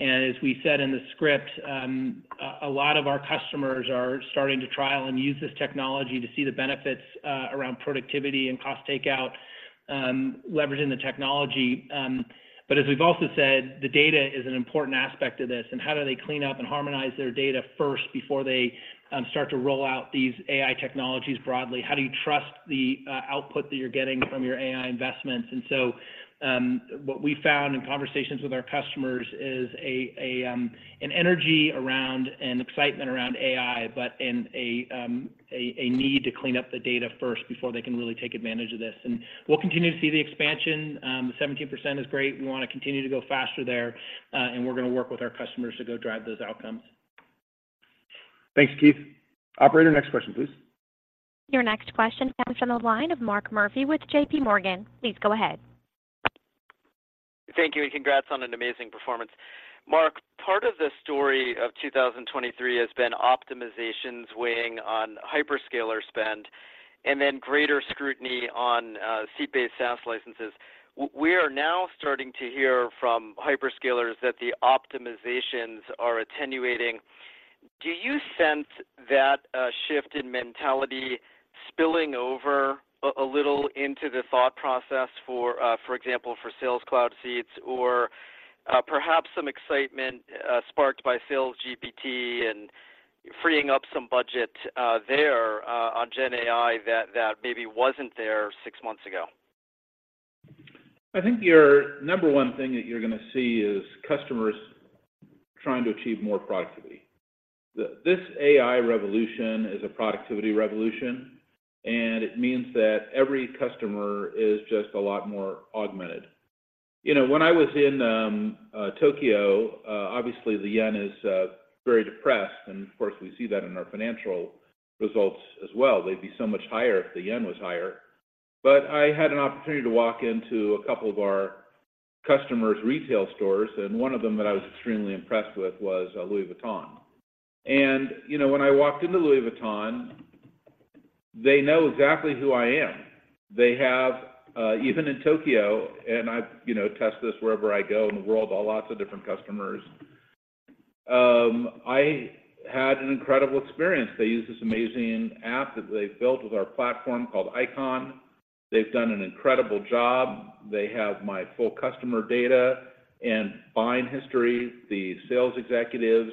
as we said in the script, a lot of our customers are starting to trial and use this technology to see the benefits around productivity and cost takeout, leveraging the technology. But as we've also said, the data is an important aspect to this, and how do they clean up and harmonize their data first before they start to roll out these AI technologies broadly? How do you trust the output that you're getting from your AI investments? What we found in conversations with our customers is an energy around and excitement around AI, but a need to clean up the data first before they can really take advantage of this. We'll continue to see the expansion. The 17% is great. We wanna continue to go faster there, and we're gonna work with our customers to go drive those outcomes. Thanks, Keith. Operator, next question, please. Your next question comes from the line of Mark Murphy with JPMorgan. Please go ahead. Thank you, and congrats on an amazing performance. Mark, part of the story of 2023 has been optimizations weighing on hyperscaler spend, and then greater scrutiny on seat-based SaaS licenses. We are now starting to hear from hyperscalers that the optimizations are attenuating. Do you sense that shift in mentality spilling over a little into the thought process for, for example, for Sales Cloud seats, or perhaps some excitement sparked by Sales GPT and freeing up some budget there on GenAI that maybe wasn't there six months ago? I think your number one thing that you're gonna see is customers trying to achieve more productivity. This AI revolution is a productivity revolution, and it means that every customer is just a lot more augmented. You know, when I was in Tokyo, obviously, the yen is very depressed, and of course, we see that in our financial results as well. They'd be so much higher if the yen was higher. But I had an opportunity to walk into a couple of our customers' retail stores, and one of them that I was extremely impressed with was Louis Vuitton. And, you know, when I walked into Louis Vuitton, they know exactly who I am. They have, even in Tokyo, and I, you know, test this wherever I go in the world, by lots of different customers, I had an incredible experience. They use this amazing app that they've built with our platform called Icon. They've done an incredible job. They have my full customer data and buying history. The sales executives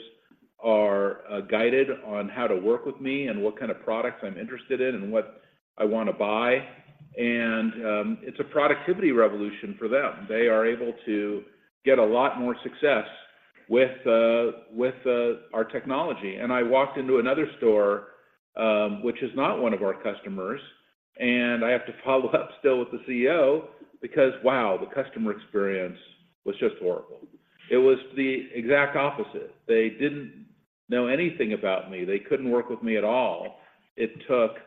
are guided on how to work with me and what kind of products I'm interested in and what I want to buy. And it's a productivity revolution for them. They are able to get a lot more success with our technology. And I walked into another store, which is not one of our customers, and I have to follow up still with the CEO because, wow, the customer experience was just horrible. It was the exact opposite. They didn't know anything about me. They couldn't work with me at all. It took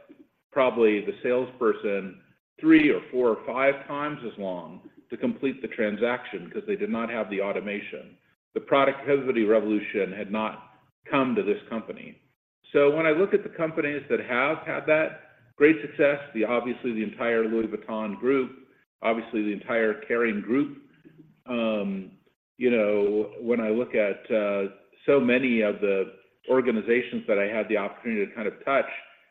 probably the salesperson three or four or five times as long to complete the transaction because they did not have the automation. The productivity revolution had not come to this company. So when I look at the companies that have had that great success, the obviously the entire Louis Vuitton group, obviously the entire Kering group. You know, when I look at so many of the organizations that I had the opportunity to kind of touch,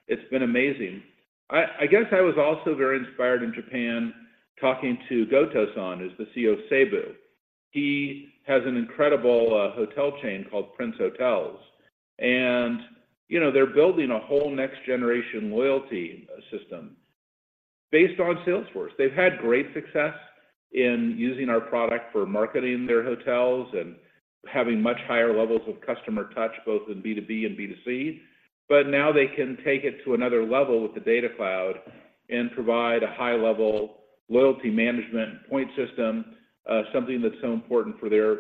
it's been amazing. I guess I was also very inspired in Japan, talking to Goto-san, who's the CEO of Seibu. He has an incredible hotel chain called Prince Hotels. And, you know, they're building a whole next generation loyalty system based on Salesforce. They've had great success in using our product for marketing their hotels and having much higher levels of customer touch, both in B2B and B2C. But now they can take it to another level with the Data Cloud and provide a high-level loyalty management point system, something that's so important for their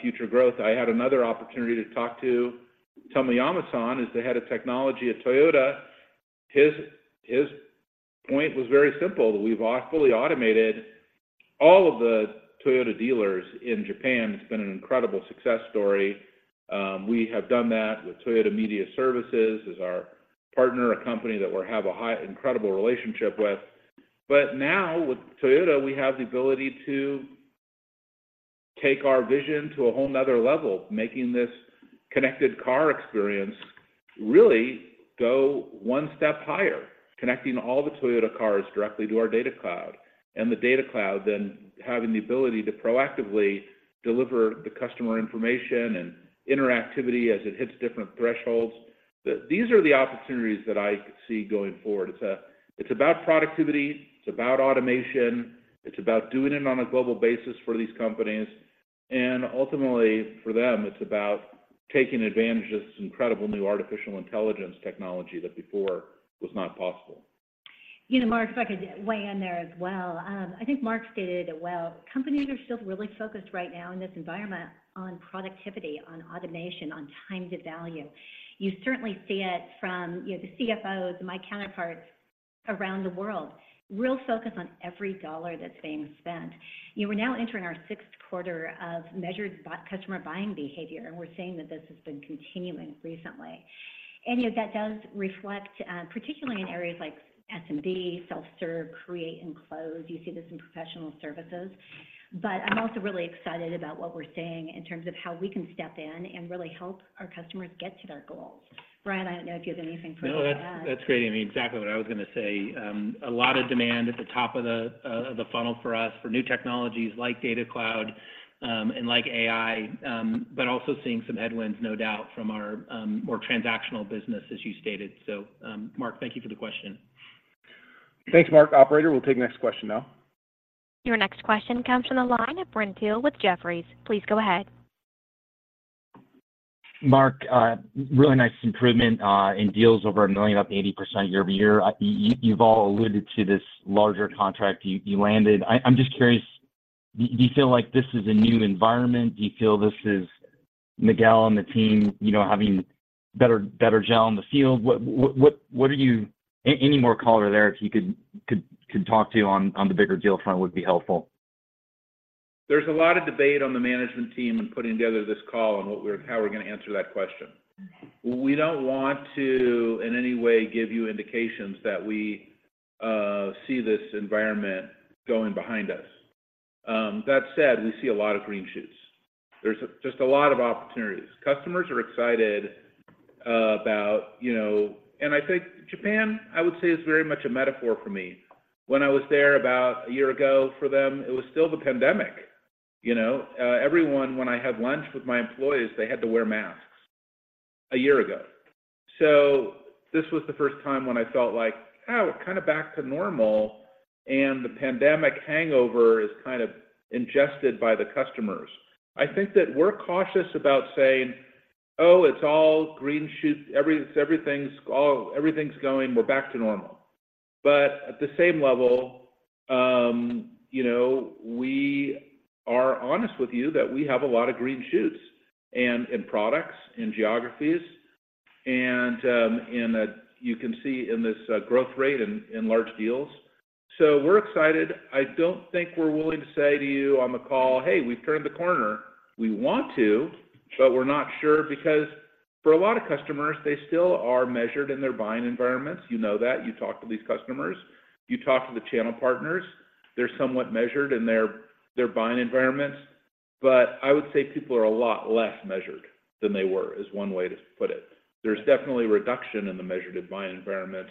future growth. I had another opportunity to talk to Tomiyama-san, who's the head of technology at Toyota. His, his point was very simple, that we've fully automated all of the Toyota dealers in Japan. It's been an incredible success story. We have done that with Toyota Media Services, as our partner, a company that we have a high, incredible relationship with. But now, with Toyota, we have the ability to take our vision to a whole another level, making this connected car experience really go one step higher, connecting all the Toyota cars directly to our Data Cloud. And the Data Cloud then having the ability to proactively deliver the customer information and interactivity as it hits different thresholds. These are the opportunities that I see going forward. It's, it's about productivity, it's about automation, it's about doing it on a global basis for these companies. And ultimately, for them, it's about taking advantage of this incredible new artificial intelligence technology that before was not possible. You know, Mark, if I could weigh in there as well. I think Marc stated it well. Companies are still really focused right now in this environment on productivity, on automation, on time to value. You certainly see it from, you know, the CFOs, my counterparts around the world, real focus on every dollar that's being spent. We're now entering our sixth quarter of measured buying customer buying behavior, and we're seeing that this has been continuing recently. And, you know, that does reflect, particularly in areas like SMB, self-serve, create, and close. You see this in professional services. But I'm also really excited about what we're seeing in terms of how we can step in and really help our customers get to their goals. Brian, I don't know if you have anything further to add. No, that's great. I mean, exactly what I was gonna say. A lot of demand at the top of the funnel for us, for new technologies like Data Cloud, and like AI, but also seeing some headwinds, no doubt, from our more transactional business, as you stated. So, Mark, thank you for the question. Thanks, Mark. Operator, we'll take the next question now. Your next question comes from the line of Brent Thill with Jefferies. Please go ahead. Mark, really nice improvement in deals over $1 million, up 80% year-over-year. You've all alluded to this larger contract you landed. I'm just curious, do you feel like this is a new environment? Do you feel this is Miguel and the team, you know, having better gel on the field? What are you... Any more color there, if you could talk to on the bigger deal front would be helpful. There's a lot of debate on the management team and putting together this call on what we're how we're gonna answer that question. We don't want to, in any way, give you indications that we see this environment going behind us. That said, we see a lot of green shoots. There's just a lot of opportunities. Customers are excited about, you know... And I think Japan, I would say, is very much a metaphor for me. When I was there about a year ago, for them, it was still the pandemic, you know? Everyone, when I had lunch with my employees, they had to wear masks, a year ago. So this was the first time when I felt like, "Wow, kind of back to normal," and the pandemic hangover is kind of ingested by the customers. I think that we're cautious about saying, "Oh, it's all green shoots, everything's all, everything's going, we're back to normal." But at the same level, you know, we are honest with you that we have a lot of green shoots and in products, in geographies, and you can see in this growth rate in large deals. So we're excited. I don't think we're willing to say to you on the call, "Hey, we've turned the corner." We want to, but we're not sure, because for a lot of customers, they still are measured in their buying environments. You know that. You talk to these customers, you talk to the channel partners. They're somewhat measured in their buying environments, but I would say people are a lot less measured than they were, is one way to put it. There's definitely a reduction in the measured buying environments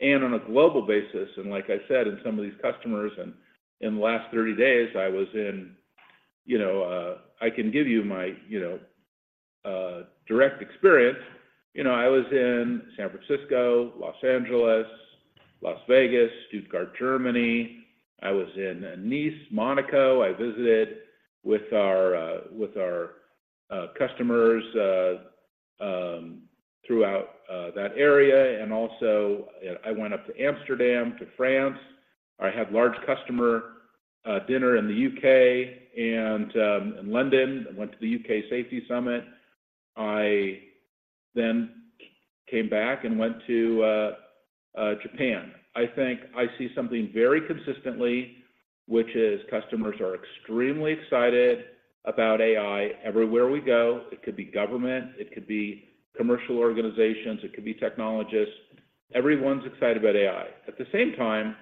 and on a global basis, and like I said, in some of these customers, and in the last 30 days, I was in, you know, I can give you my, you know, direct experience, you know, I was in San Francisco, Los Angeles, Las Vegas, Stuttgart, Germany. I was in Nice, Monaco. I visited with our, with our, customers throughout that area. And also, I went up to Amsterdam, to France. I had large customer dinner in the UK and, in London, and went to the UK Safety Summit. I then came back and went to Japan. I think I see something very consistently, which is customers are extremely excited about AI everywhere we go. It could be government, it could be commercial organizations, it could be technologists. Everyone's excited about AI. At the same time,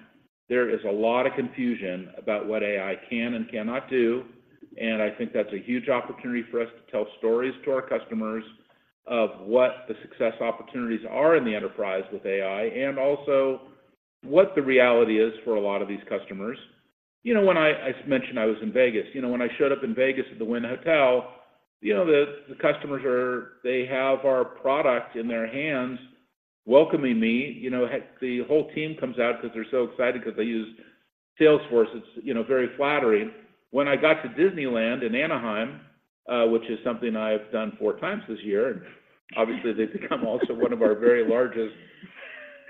there is a lot of confusion about what AI can and cannot do, and I think that's a huge opportunity for us to tell stories to our customers of what the success opportunities are in the enterprise with AI, and also what the reality is for a lot of these customers. You know, when I mentioned I was in Vegas. You know, when I showed up in Vegas at the Wynn Hotel, you know, the customers are--they have our product in their hands, welcoming me. You know, the whole team comes out 'cause they're so excited, 'cause they use Salesforce. It's, you know, very flattering. When I got to Disneyland in Anaheim, which is something I've done four times this year, and obviously, they've become also one of our very largest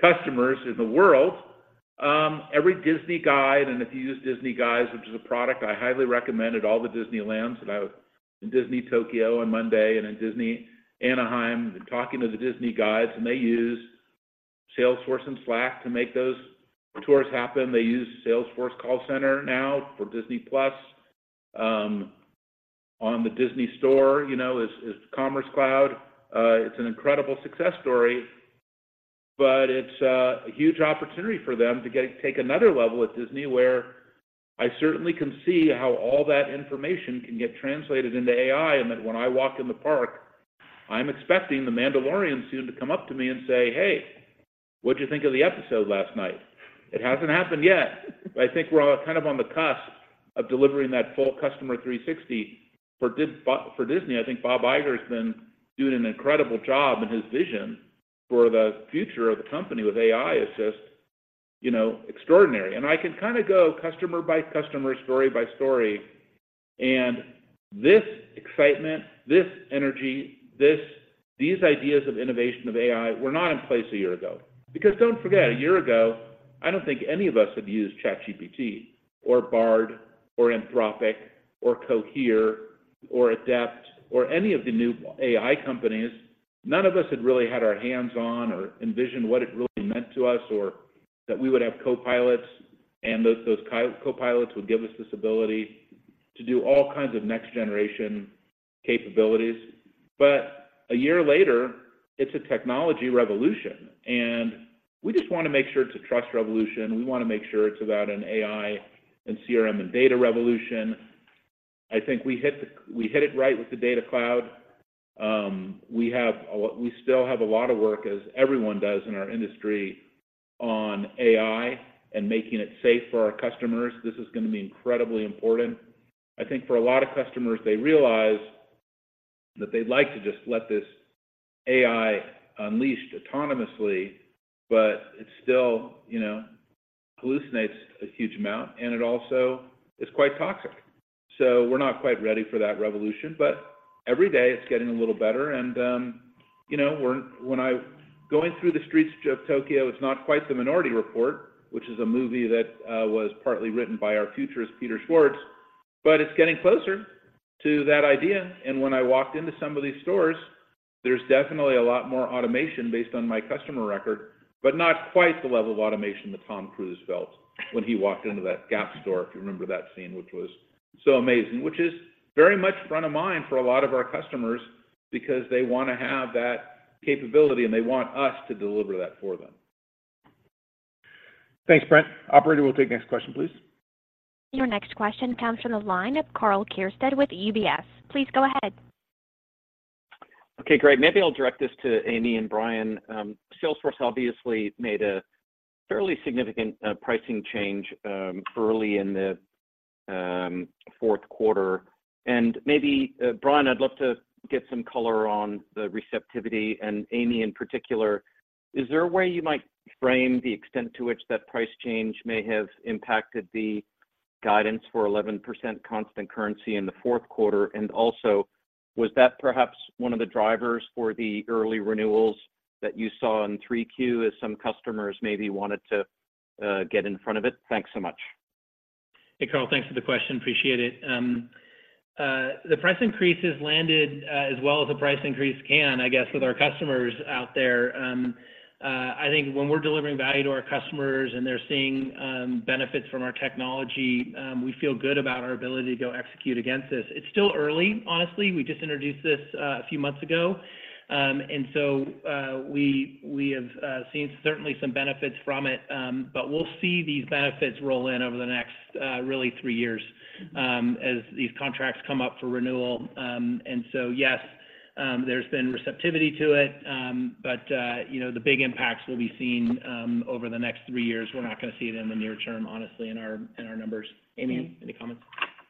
customers in the world. Every Disney guide, and if you use Disney Guides, which is a product I highly recommend at all the Disneylands, and I was in Disney Tokyo on Monday and in Disney Anaheim, talking to the Disney guides, and they use Salesforce and Slack to make those tours happen. They use Salesforce Call Center now for Disney Plus, on the Disney store, you know, is Commerce Cloud. It's an incredible success story, but it's a huge opportunity for them to get, take another level at Disney, where I certainly can see how all that information can get translated into AI, and that when I walk in the park, I'm expecting the Mandalorian soon to come up to me and say, "Hey, what'd you think of the episode last night?" It hasn't happened yet, but I think we're all kind of on the cusp of delivering that full Customer 360. For Disney, I think Bob Iger has been doing an incredible job, and his vision for the future of the company with AI is just, you know, extraordinary. And I can kinda go customer by customer, story by story, and this excitement, this energy, these ideas of innovation of AI were not in place a year ago. Because don't forget, a year ago, I don't think any of us had used ChatGPT, or Bard, or Anthropic, or Cohere, or Adept, or any of the new AI companies. None of us had really had our hands on or envisioned what it really meant to us, or that we would have Copilots, and those Copilots would give us this ability to do all kinds of next-generation capabilities. But a year later, it's a technology revolution, and we just wanna make sure it's a trust revolution. We wanna make sure it's about an AI, and CRM, and data revolution. I think we hit it right with the Data Cloud. We still have a lot of work, as everyone does in our industry, on AI and making it safe for our customers. This is gonna be incredibly important. I think for a lot of customers, they realize that they'd like to just let this AI unleashed autonomously, but it still, you know, hallucinates a huge amount, and it also is quite toxic. So we're not quite ready for that revolution, but every day it's getting a little better, and, you know, going through the streets of Tokyo, it's not quite the Minority Report, which is a movie that was partly written by our futurist, Peter Schwartz, but it's getting closer to that idea. When I walked into some of these stores, there's definitely a lot more automation based on my customer record, but not quite the level of automation that Tom Cruise felt when he walked into that Gap store, if you remember that scene, which was so amazing, which is very much front of mind for a lot of our customers because they wanna have that capability, and they want us to deliver that for them. Thanks, Brent. Operator, we'll take the next question, please. Your next question comes from the line of Karl Keirstead with UBS. Please go ahead. Okay, great. Maybe I'll direct this to Amy and Brian. Salesforce obviously made a fairly significant pricing change early in the fourth quarter. And maybe, Brian, I'd love to get some color on the receptivity. And Amy, in particular, is there a way you might frame the extent to which that price change may have impacted the guidance for 11% constant currency in the fourth quarter? And also, was that perhaps one of the drivers for the early renewals that you saw in 3Q, as some customers maybe wanted to get in front of it? Thanks so much. Hey, Karl. Thanks for the question, appreciate it. The price increase has landed, as well as the price increase can, I guess, with our customers out there. I think when we're delivering value to our customers and they're seeing benefits from our technology, we feel good about our ability to go execute against this. It's still early, honestly. We just introduced this a few months ago, and so we have seen certainly some benefits from it. But we'll see these benefits roll in over the next really three years, as these contracts come up for renewal. And so, yes, there's been receptivity to it, but you know, the big impacts will be seen over the next three years. We're not gonna see them in the near term, honestly, in our, in our numbers. Amy, any comments?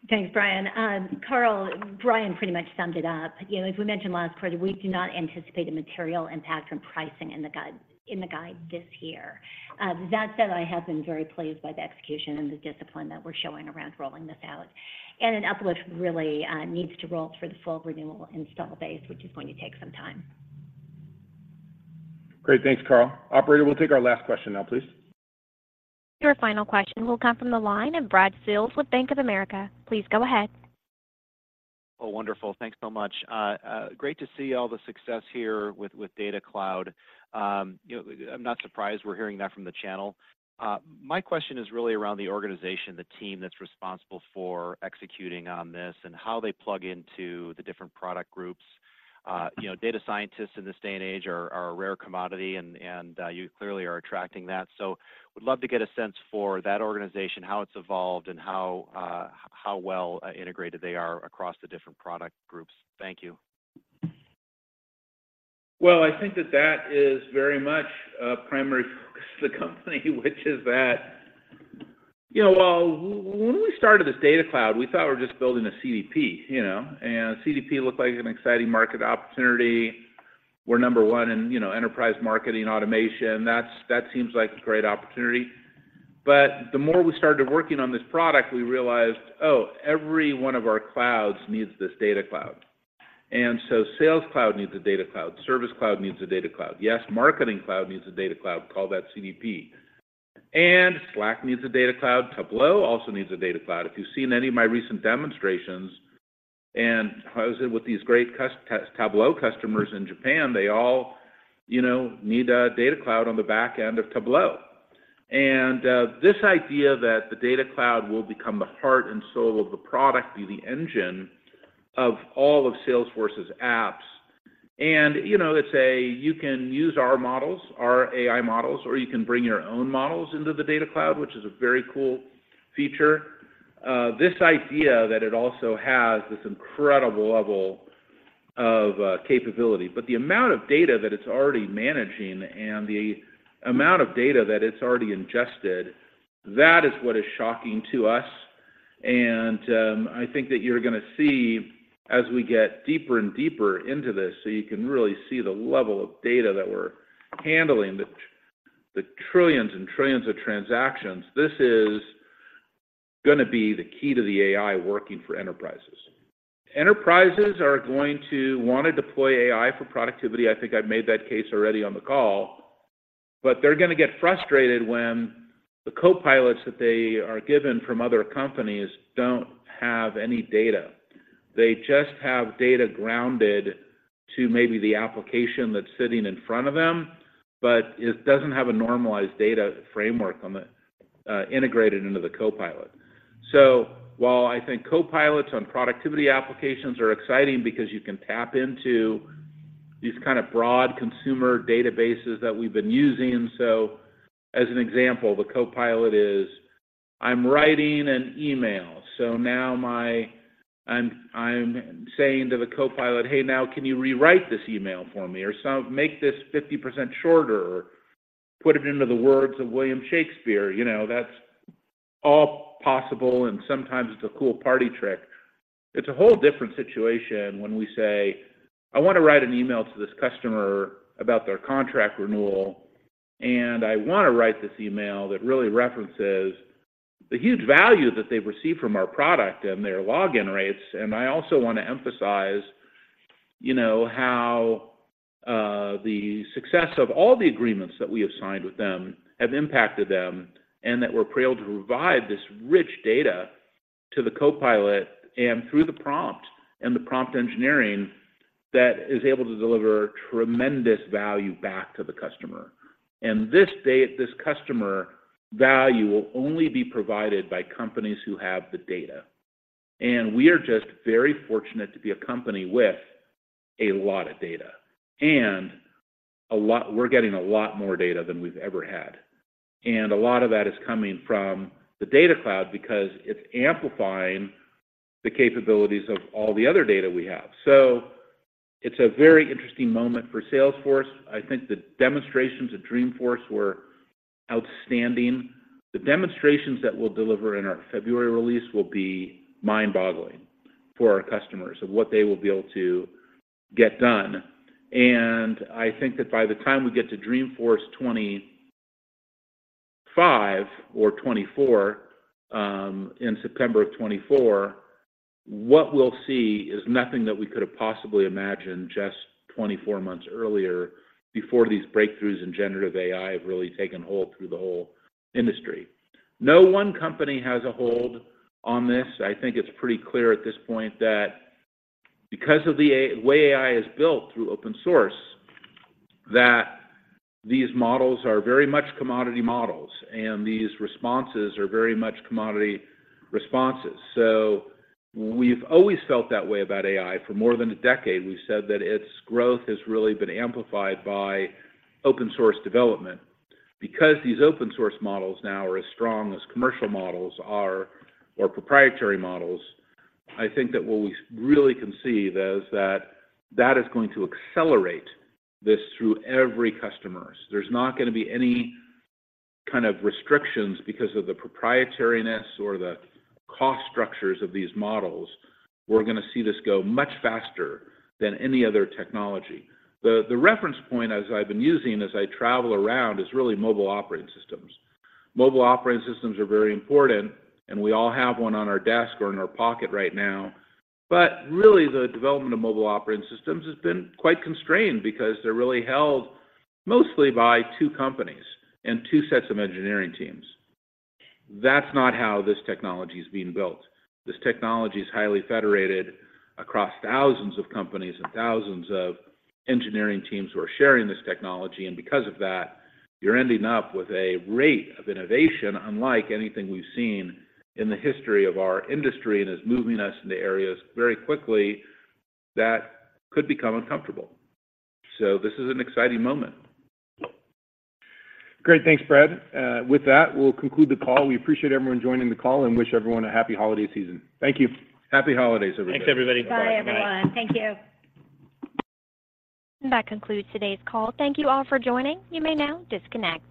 Thanks, Brian. Carl, Brian pretty much summed it up. You know, as we mentioned last quarter, we do not anticipate a material impact from pricing in the guide this year. That said, I have been very pleased by the execution and the discipline that we're showing around rolling this out. An uplift really needs to roll through the full renewal install base, which is going to take some time. Great. Thanks, Carl. Operator, we'll take our last question now, please. Your final question will come from the line of Brad Sills with Bank of America. Please go ahead. Oh, wonderful. Thanks so much. Great to see all the success here with Data Cloud. You know, I'm not surprised we're hearing that from the channel. My question is really around the organization, the team that's responsible for executing on this and how they plug into the different product groups. You know, data scientists in this day and age are a rare commodity, and you clearly are attracting that. So would love to get a sense for that organization, how it's evolved, and how well integrated they are across the different product groups. Thank you. Well, I think that that is very much a primary focus of the company, which is that, you know, well, when we started this Data Cloud, we thought we were just building a CDP, you know, and CDP looked like an exciting market opportunity. We're number one in, you know, enterprise marketing automation. That's, that seems like a great opportunity. But the more we started working on this product, we realized, oh, every one of our clouds needs this Data Cloud. And so Sales Cloud needs a Data Cloud. Service Cloud needs a Data Cloud. Yes, Marketing Cloud needs a Data Cloud, call that CDP. And Slack needs a Data Cloud. Tableau also needs a Data Cloud. If you've seen any of my recent demonstrations, and I was in with these great Tableau customers in Japan, they all, you know, need a Data Cloud on the back end of Tableau. And this idea that the Data Cloud will become the heart and soul of the product, be the engine of all of Salesforce's apps, and, you know, let's say you can use our models, our AI models, or you can bring your own models into the Data Cloud, which is a very cool feature. This idea that it also has this incredible level of capability, but the amount of data that it's already managing and the amount of data that it's already ingested, that is what is shocking to us. I think that you're gonna see as we get deeper and deeper into this, so you can really see the level of data that we're handling, the trillions and trillions of transactions. This is gonna be the key to the AI working for enterprises. Enterprises are going to want to deploy AI for productivity. I think I've made that case already on the call, but they're gonna get frustrated when the Copilots that they are given from other companies don't have any data. They just have data grounded to maybe the application that's sitting in front of them, but it doesn't have a normalized data framework on the, integrated into the copilot. So while I think Copilots on productivity applications are exciting because you can tap into these kind of broad consumer databases that we've been using, so as an example, the copilot is, I'm writing an email, so now I'm saying to the copilot, "Hey, now, can you rewrite this email for me, or so, make this 50% shorter, or put it into the words of William Shakespeare?" You know, that's all possible, and sometimes it's a cool party trick. It's a whole different situation when we say, "I want to write an email to this customer about their contract renewal, and I want to write this email that really references the huge value that they've received from our product and their login rates. And I also want to emphasize, you know, how the success of all the agreements that we have signed with them have impacted them, and that we're able to provide this rich data to the Copilot, and through the prompt and the Prompt Engineering, that is able to deliver tremendous value back to the customer. And this day, this customer value will only be provided by companies who have the data. And we are just very fortunate to be a company with a lot of data, and a lot—we're getting a lot more data than we've ever had. And a lot of that is coming from the Data Cloud because it's amplifying the capabilities of all the other data we have. So it's a very interesting moment for Salesforce. I think the demonstrations at Dreamforce were outstanding. The demonstrations that we'll deliver in our February release will be mind-boggling for our customers of what they will be able to get done. I think that by the time we get to Dreamforce 25 or 24, in September of 2024, what we'll see is nothing that we could have possibly imagined just 24 months earlier before these breakthroughs in generative AI have really taken hold through the whole industry. No one company has a hold on this. I think it's pretty clear at this point that because of the way AI is built through open source, that these models are very much commodity models, and these responses are very much commodity responses. So we've always felt that way about AI. For more than a decade, we've said that its growth has really been amplified by open source development. Because these open source models now are as strong as commercial models are, or proprietary models, I think that what we really can see is that that is going to accelerate this through every customer. There's not gonna be any kind of restrictions because of the proprietariness or the cost structures of these models. We're gonna see this go much faster than any other technology. The reference point, as I've been using as I travel around, is really mobile operating systems. Mobile operating systems are very important, and we all have one on our desk or in our pocket right now. But really, the development of mobile operating systems has been quite constrained because they're really held mostly by two companies and two sets of engineering teams. That's not how this technology is being built. This technology is highly federated across thousands of companies and thousands of engineering teams who are sharing this technology, and because of that, you're ending up with a rate of innovation unlike anything we've seen in the history of our industry, and is moving us into areas very quickly that could become uncomfortable. So this is an exciting moment. Great. Thanks, Brad. With that, we'll conclude the call. We appreciate everyone joining the call and wish everyone a happy holiday season. Thank you. Happy holidays, everybody. Thanks, everybody. Bye, everyone. Thank you. That concludes today's call. Thank you all for joining. You may now disconnect.